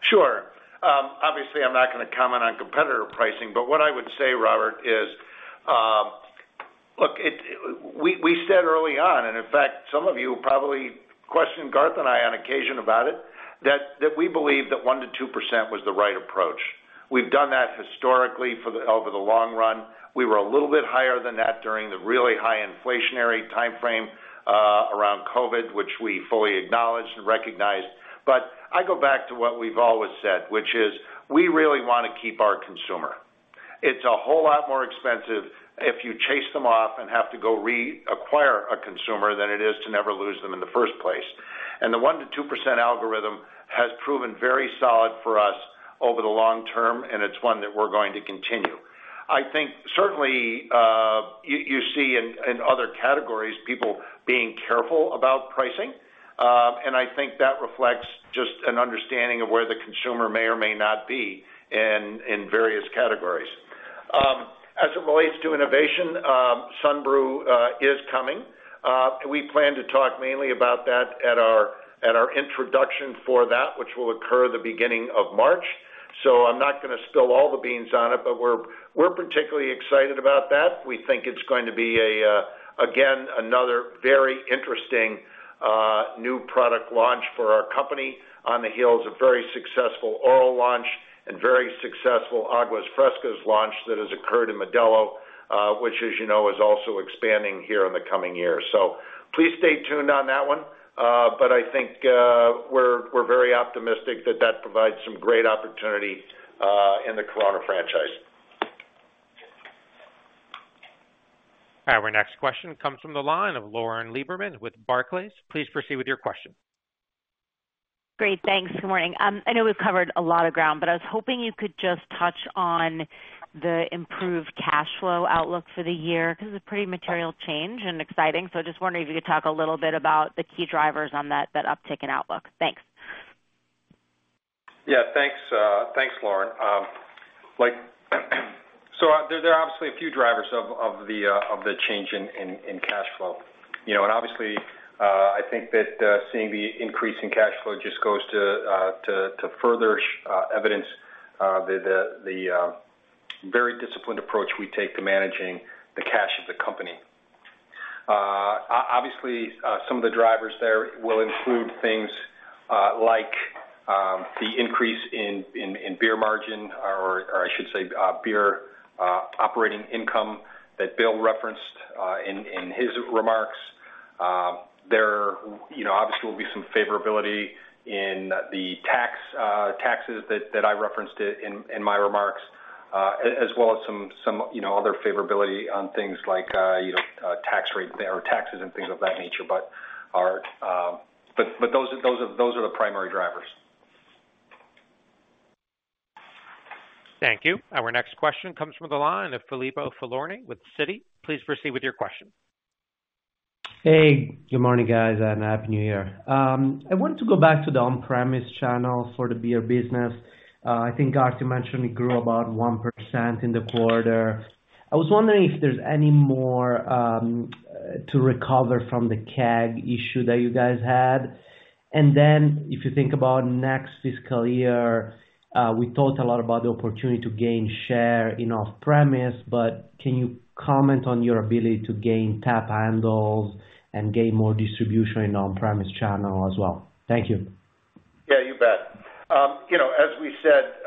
Sure. Obviously, I'm not gonna comment on competitor pricing, but what I would say, Robert, is, look, it, we, we said early on, and in fact, some of you probably questioned Garth and I on occasion about it, that, that we believe that 1%-2% was the right approach. We've done that historically over the long run. We were a little bit higher than that during the really high inflationary timeframe around COVID, which we fully acknowledged and recognized. But I go back to what we've always said, which is, we really want to keep our consumer. It's a whole lot more expensive if you chase them off and have to go reacquire a consumer than it is to never lose them in the first place. The 1%-2% algorithm has proven very solid for us over the long term, and it's one that we're going to continue. I think certainly, you, you see in, in other categories, people being careful about pricing, and I think that reflects just an understanding of where the consumer may or may not be in, in various categories. As it relates to innovation, Sunbrew is coming. We plan to talk mainly about that at our, at our introduction for that, which will occur the beginning of March. So I'm not gonna spill all the beans on it, but we're, we're particularly excited about that. We think it's going to be a... Again, another very interesting new product launch for our company on the heels of very successful Oro launch and very successful Aguas Frescas launch that has occurred in Modelo, which, as you know, is also expanding here in the coming years. So please stay tuned on that one. But I think we're very optimistic that that provides some great opportunity in the Corona franchise. Our next question comes from the line of Lauren Lieberman with Barclays. Please proceed with your question. Great, thanks. Good morning. I know we've covered a lot of ground, but I was hoping you could just touch on the improved cash flow outlook for the year, because it's a pretty material change and exciting. So just wondering if you could talk a little bit about the key drivers on that, that uptick in outlook. Thanks. Yeah, thanks, thanks, Lauren. Like, so there are obviously a few drivers of the change in cash flow. You know, and obviously, I think that seeing the increase in cash flow just goes to further evidence the very disciplined approach we take to managing the cash of the company. Obviously, some of the drivers there will include things like the increase in beer margin, or I should say, beer operating income that Bill referenced in his remarks. There, you know, obviously, will be some favorability in the tax, taxes that I referenced it in my remarks, as well as some you know, other favorability on things like you know, tax rate or taxes and things of that nature. But those are the primary drivers. Thank you. Our next question comes from the line of Filippo Falorni with Citi. Please proceed with your question. Hey, good morning, guys, and Happy New Year. I want to go back to the on-premise channel for the beer business. I think Garth mentioned it grew about 1% in the quarter. I was wondering if there's any more to recover from the keg issue that you guys had. And then if you think about next fiscal year, we talked a lot about the opportunity to gain share in off-premise, but can you comment on your ability to gain tap handles and gain more distribution in on-premise channel as well? Thank you. Yeah, you bet. You know, as we said,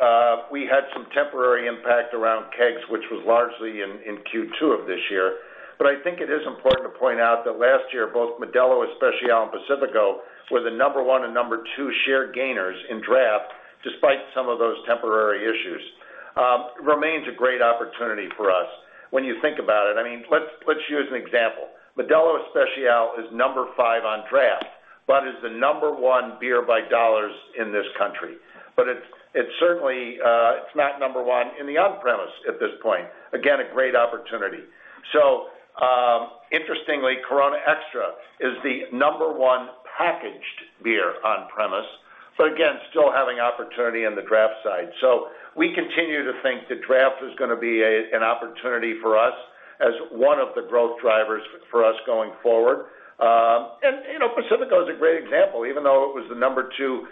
we had some temporary impact around kegs, which was largely in, in Q2 of this year. But I think it is important to point out that last year, both Modelo Especial and Pacifico were the number one and number two share gainers in draft, despite some of those temporary issues. Remains a great opportunity for us. When you think about it, I mean, let's, let's use an example. Modelo Especial is number five on draft, but is the number one beer by dollars in this country. But it's, it's certainly, it's not number one in the on-premise at this point. Again, a great opportunity. So, interestingly, Corona Extra is the number one packaged beer on-premise, but again, still having opportunity on the draft side. So we continue to think that draft is gonna be an opportunity for us as one of the growth drivers for us going forward. And, you know, Pacifico is a great example. Even though it was the number two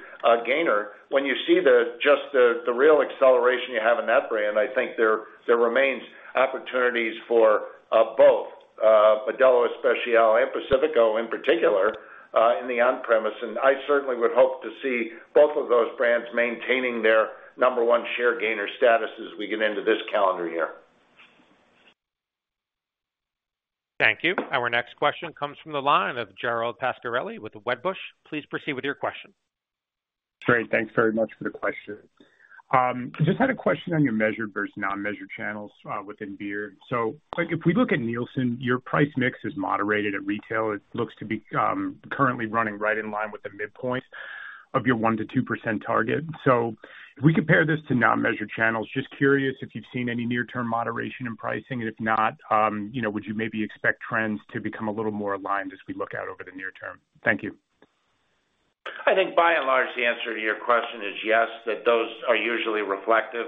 gainer, when you see just the real acceleration you have in that brand, I think there remains opportunities for both Modelo Especial and Pacifico, in particular, in the on-premise, and I certainly would hope to see both of those brands maintaining their number one share gainer status as we get into this calendar year. Thank you. Our next question comes from the line of Gerald Pascarelli with Wedbush. Please proceed with your question. Great, thanks very much for the question. Just had a question on your measured versus non-measured channels, within beer. So like, if we look at Nielsen, your price mix is moderated at retail. It looks to be, currently running right in line with the midpoint of your 1%-2% target. So if we compare this to non-measured channels, just curious if you've seen any near-term moderation in pricing, and if not, you know, would you maybe expect trends to become a little more aligned as we look out over the near term? Thank you. I think by and large, the answer to your question is yes, that those are usually reflective.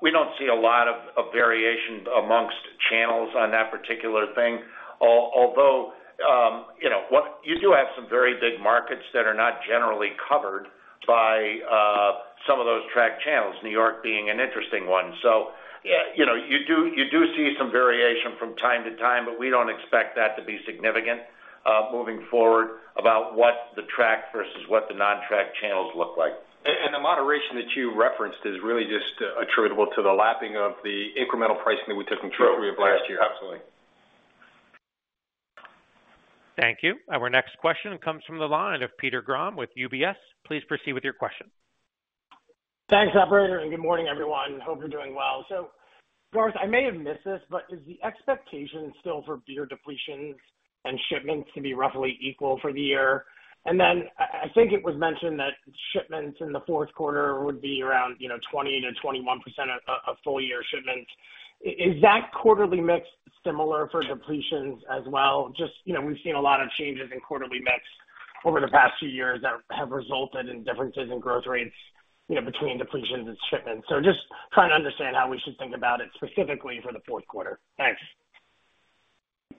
We don't see a lot of variation among channels on that particular thing. Although, you know, you do have some very big markets that are not generally covered by some of those tracked channels, New York being an interesting one. So, you know, you do, you do see some variation from time to time, but we don't expect that to be significant moving forward about what the tracked versus what the non-tracked channels look like. And the moderation that you referenced is really just attributable to the lapping of the incremental pricing that we took in Q3 of last year. Absolutely. Thank you. Our next question comes from the line of Peter Grom with UBS. Please proceed with your question. Thanks, operator, and good morning, everyone. Hope you're doing well. So Garth, I may have missed this, but is the expectation still for beer depletions and shipments to be roughly equal for the year? And then I, I think it was mentioned that shipments in the fourth quarter would be around, you know, 20%-21% of full year shipments. Is that quarterly mix similar for depletions as well? Just, you know, we've seen a lot of changes in quarterly mix over the past few years that have resulted in differences in growth rates, you know, between depletions and shipments. So just trying to understand how we should think about it specifically for the fourth quarter. Thanks.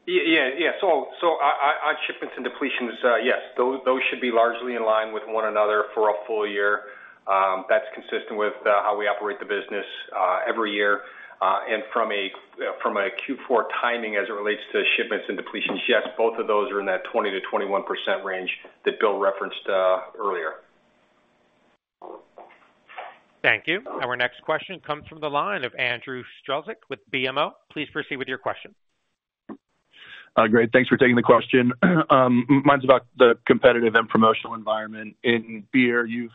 Yeah. Yeah. So on shipments and depletions, yes, those should be largely in line with one another for a full year. That's consistent with how we operate the business every year. And from a Q4 timing as it relates to shipments and depletions, yes, both of those are in that 20%-21% range that Bill referenced earlier. Thank you. Our next question comes from the line of Andrew Strelzik with BMO. Please proceed with your question. Great, thanks for taking the question. Mine's about the competitive and promotional environment in beer. You've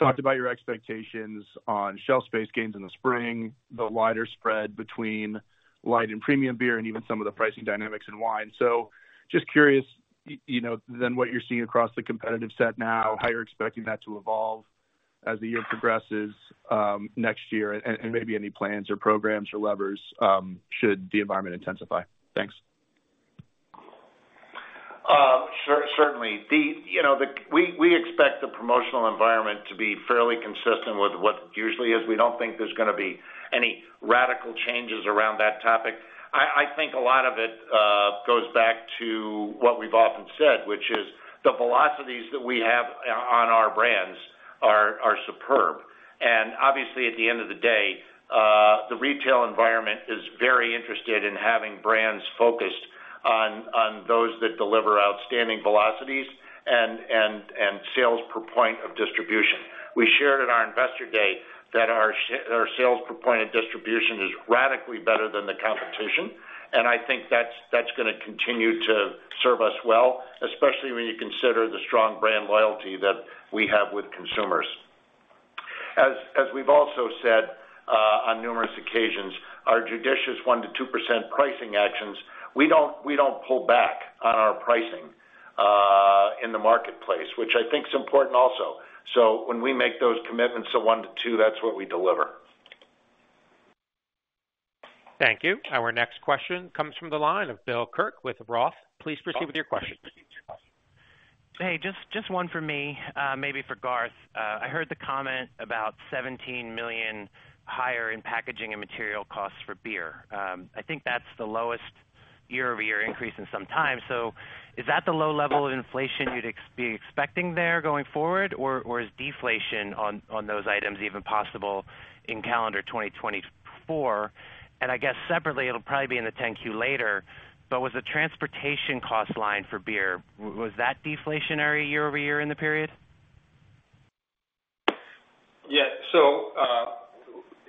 talked about your expectations on shelf space gains in the spring, the wider spread between light and premium beer, and even some of the pricing dynamics in wine. So just curious, you know, then what you're seeing across the competitive set now, how you're expecting that to evolve as the year progresses, next year, and maybe any plans or programs or levers should the environment intensify? Thanks. Certainly. The, you know, the... We expect the promotional environment to be fairly consistent with what it usually is. We don't think there's gonna be any radical changes around that topic. I think a lot of it goes back to what we've often said, which is the velocities that we have on our brands are superb. And obviously, at the end of the day, the retail environment is very interested in having brands focused on those that deliver outstanding velocities and sales per point of distribution. We shared at our investor day that our sales per point of distribution is radically better than the competition, and I think that's gonna continue to serve us well, especially when you consider the strong brand loyalty that we have with consumers. As we've also said on numerous occasions, our judicious 1%-2% pricing actions, we don't, we don't pull back on our pricing in the marketplace, which I think is important also. So when we make those commitments of one-two, that's what we deliver. Thank you. Our next question comes from the line of Bill Kirk with Roth. Please proceed with your question. Hey, just, just one for me, maybe for Garth. I heard the comment about $17 million higher in packaging and material costs for beer. I think that's the lowest year-over-year increase in some time. So is that the low level of inflation you'd be expecting there going forward? Or is deflation on those items even possible in calendar 2024? And I guess separately, it'll probably be in the 10-Q later, but was the transportation cost line for beer deflationary year-over-year in the period? Yeah. So,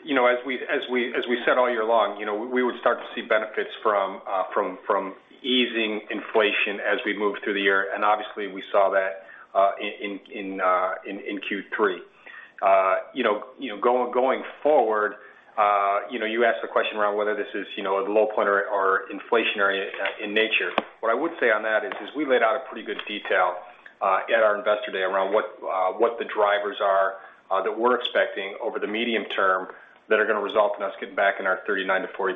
you know, as we said, all year long, you know, we would start to see benefits from easing inflation as we move through the year. And obviously, we saw that in Q3. You know, going forward, you know, you asked the question around whether this is, you know, a low point or inflationary in nature. What I would say on that is we laid out a pretty good detail at our Investor Day around what the drivers are that we're expecting over the medium term that are going to result in us getting back in our 39%-40%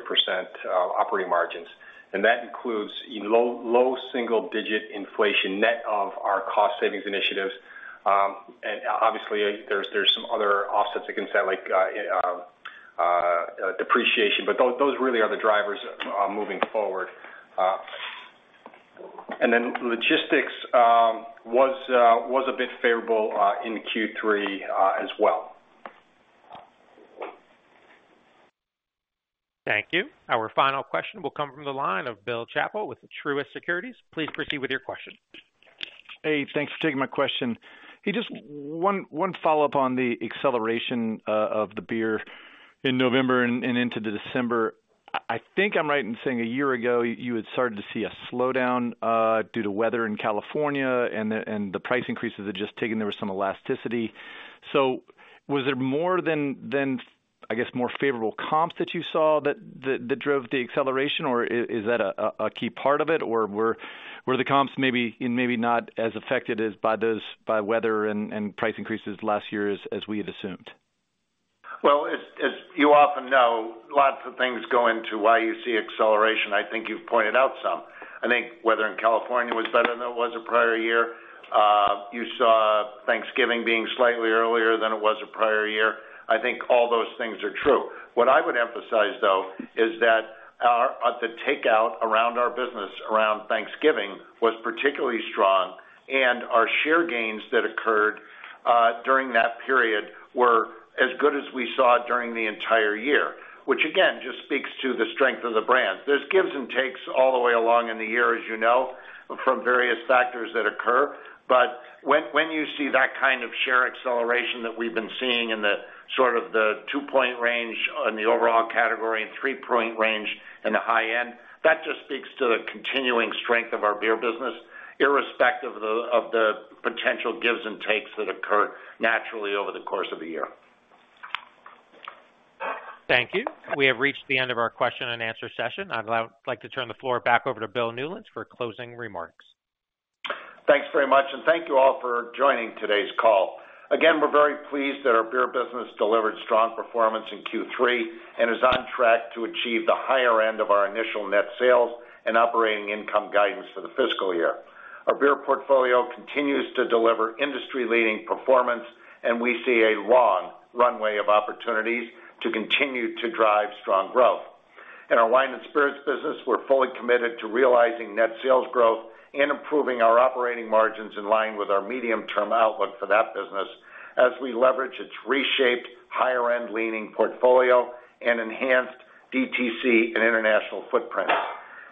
operating margins. And that includes low single digit inflation, net of our cost savings initiatives. And obviously, there's some other offsets that can set, like, depreciation, but those really are the drivers moving forward. And then logistics was a bit favorable in Q3 as well. Thank you. Our final question will come from the line of Bill Chappell with Truist Securities. Please proceed with your question. Hey, thanks for taking my question. Hey, just one follow-up on the acceleration of the beer in November and into December. I think I'm right in saying a year ago, you had started to see a slowdown due to weather in California, and the price increases had just taken. There was some elasticity. So was there more than, I guess, more favorable comps that you saw that drove the acceleration or is that a key part of it? Or were the comps maybe not as affected by weather and price increases last year as we had assumed? Well, as you often know, lots of things go into why you see acceleration. I think you've pointed out some. I think weather in California was better than it was the prior year. You saw Thanksgiving being slightly earlier than it was the prior year. I think all those things are true. What I would emphasize, though, is that our the takeout around our business, around Thanksgiving, was particularly strong, and our share gains that occurred during that period were as good as we saw during the entire year, which again just speaks to the strength of the brand. There's gives and takes all the way along in the year, as you know, from various factors that occur. But when you see that kind of share acceleration that we've been seeing in sort of the two-point range on the overall category and three-point range in the high end, that just speaks to the continuing strength of our beer business, irrespective of the potential gives and takes that occur naturally over the course of a year. Thank you. We have reached the end of our question and answer session. I'd now like to turn the floor back over to Bill Newlands for closing remarks. Thanks very much, and thank you all for joining today's call. Again, we're very pleased that our beer business delivered strong performance in Q3 and is on track to achieve the higher end of our initial net sales and operating income guidance for the fiscal year. Our beer portfolio continues to deliver industry-leading performance, and we see a long runway of opportunities to continue to drive strong growth. In our wine and spirits business, we're fully committed to realizing net sales growth and improving our operating margins in line with our medium-term outlook for that business, as we leverage its reshaped higher end leaning portfolio and enhanced DTC and international footprint.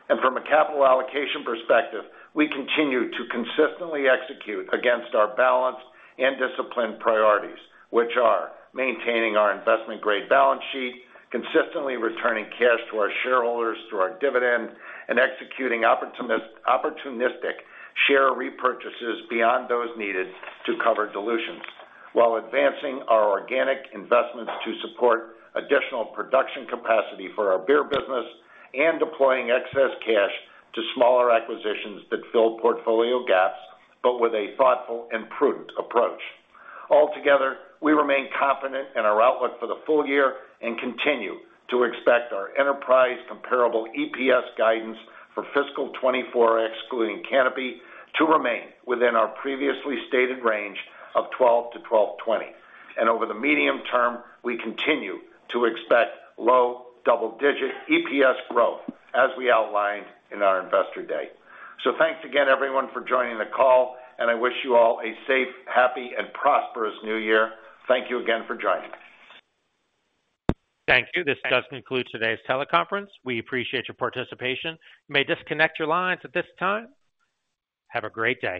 From a capital allocation perspective, we continue to consistently execute against our balanced and disciplined priorities, which are maintaining our investment-grade balance sheet, consistently returning cash to our shareholders through our dividend, and executing opportunistic share repurchases beyond those needed to cover dilutions, while advancing our organic investments to support additional production capacity for our beer business and deploying excess cash to smaller acquisitions that fill portfolio gaps, but with a thoughtful and prudent approach. Altogether, we remain confident in our outlook for the full year and continue to expect our enterprise comparable EPS guidance for fiscal 2024, excluding Canopy, to remain within our previously stated range of $12-$12.20. Over the medium term, we continue to expect low double-digit EPS growth, as we outlined in our Investor Day. Thanks again, everyone, for joining the call, and I wish you all a safe, happy, and prosperous New Year. Thank you again for joining us. Thank you. This does conclude today's teleconference. We appreciate your participation. You may disconnect your lines at this time. Have a great day.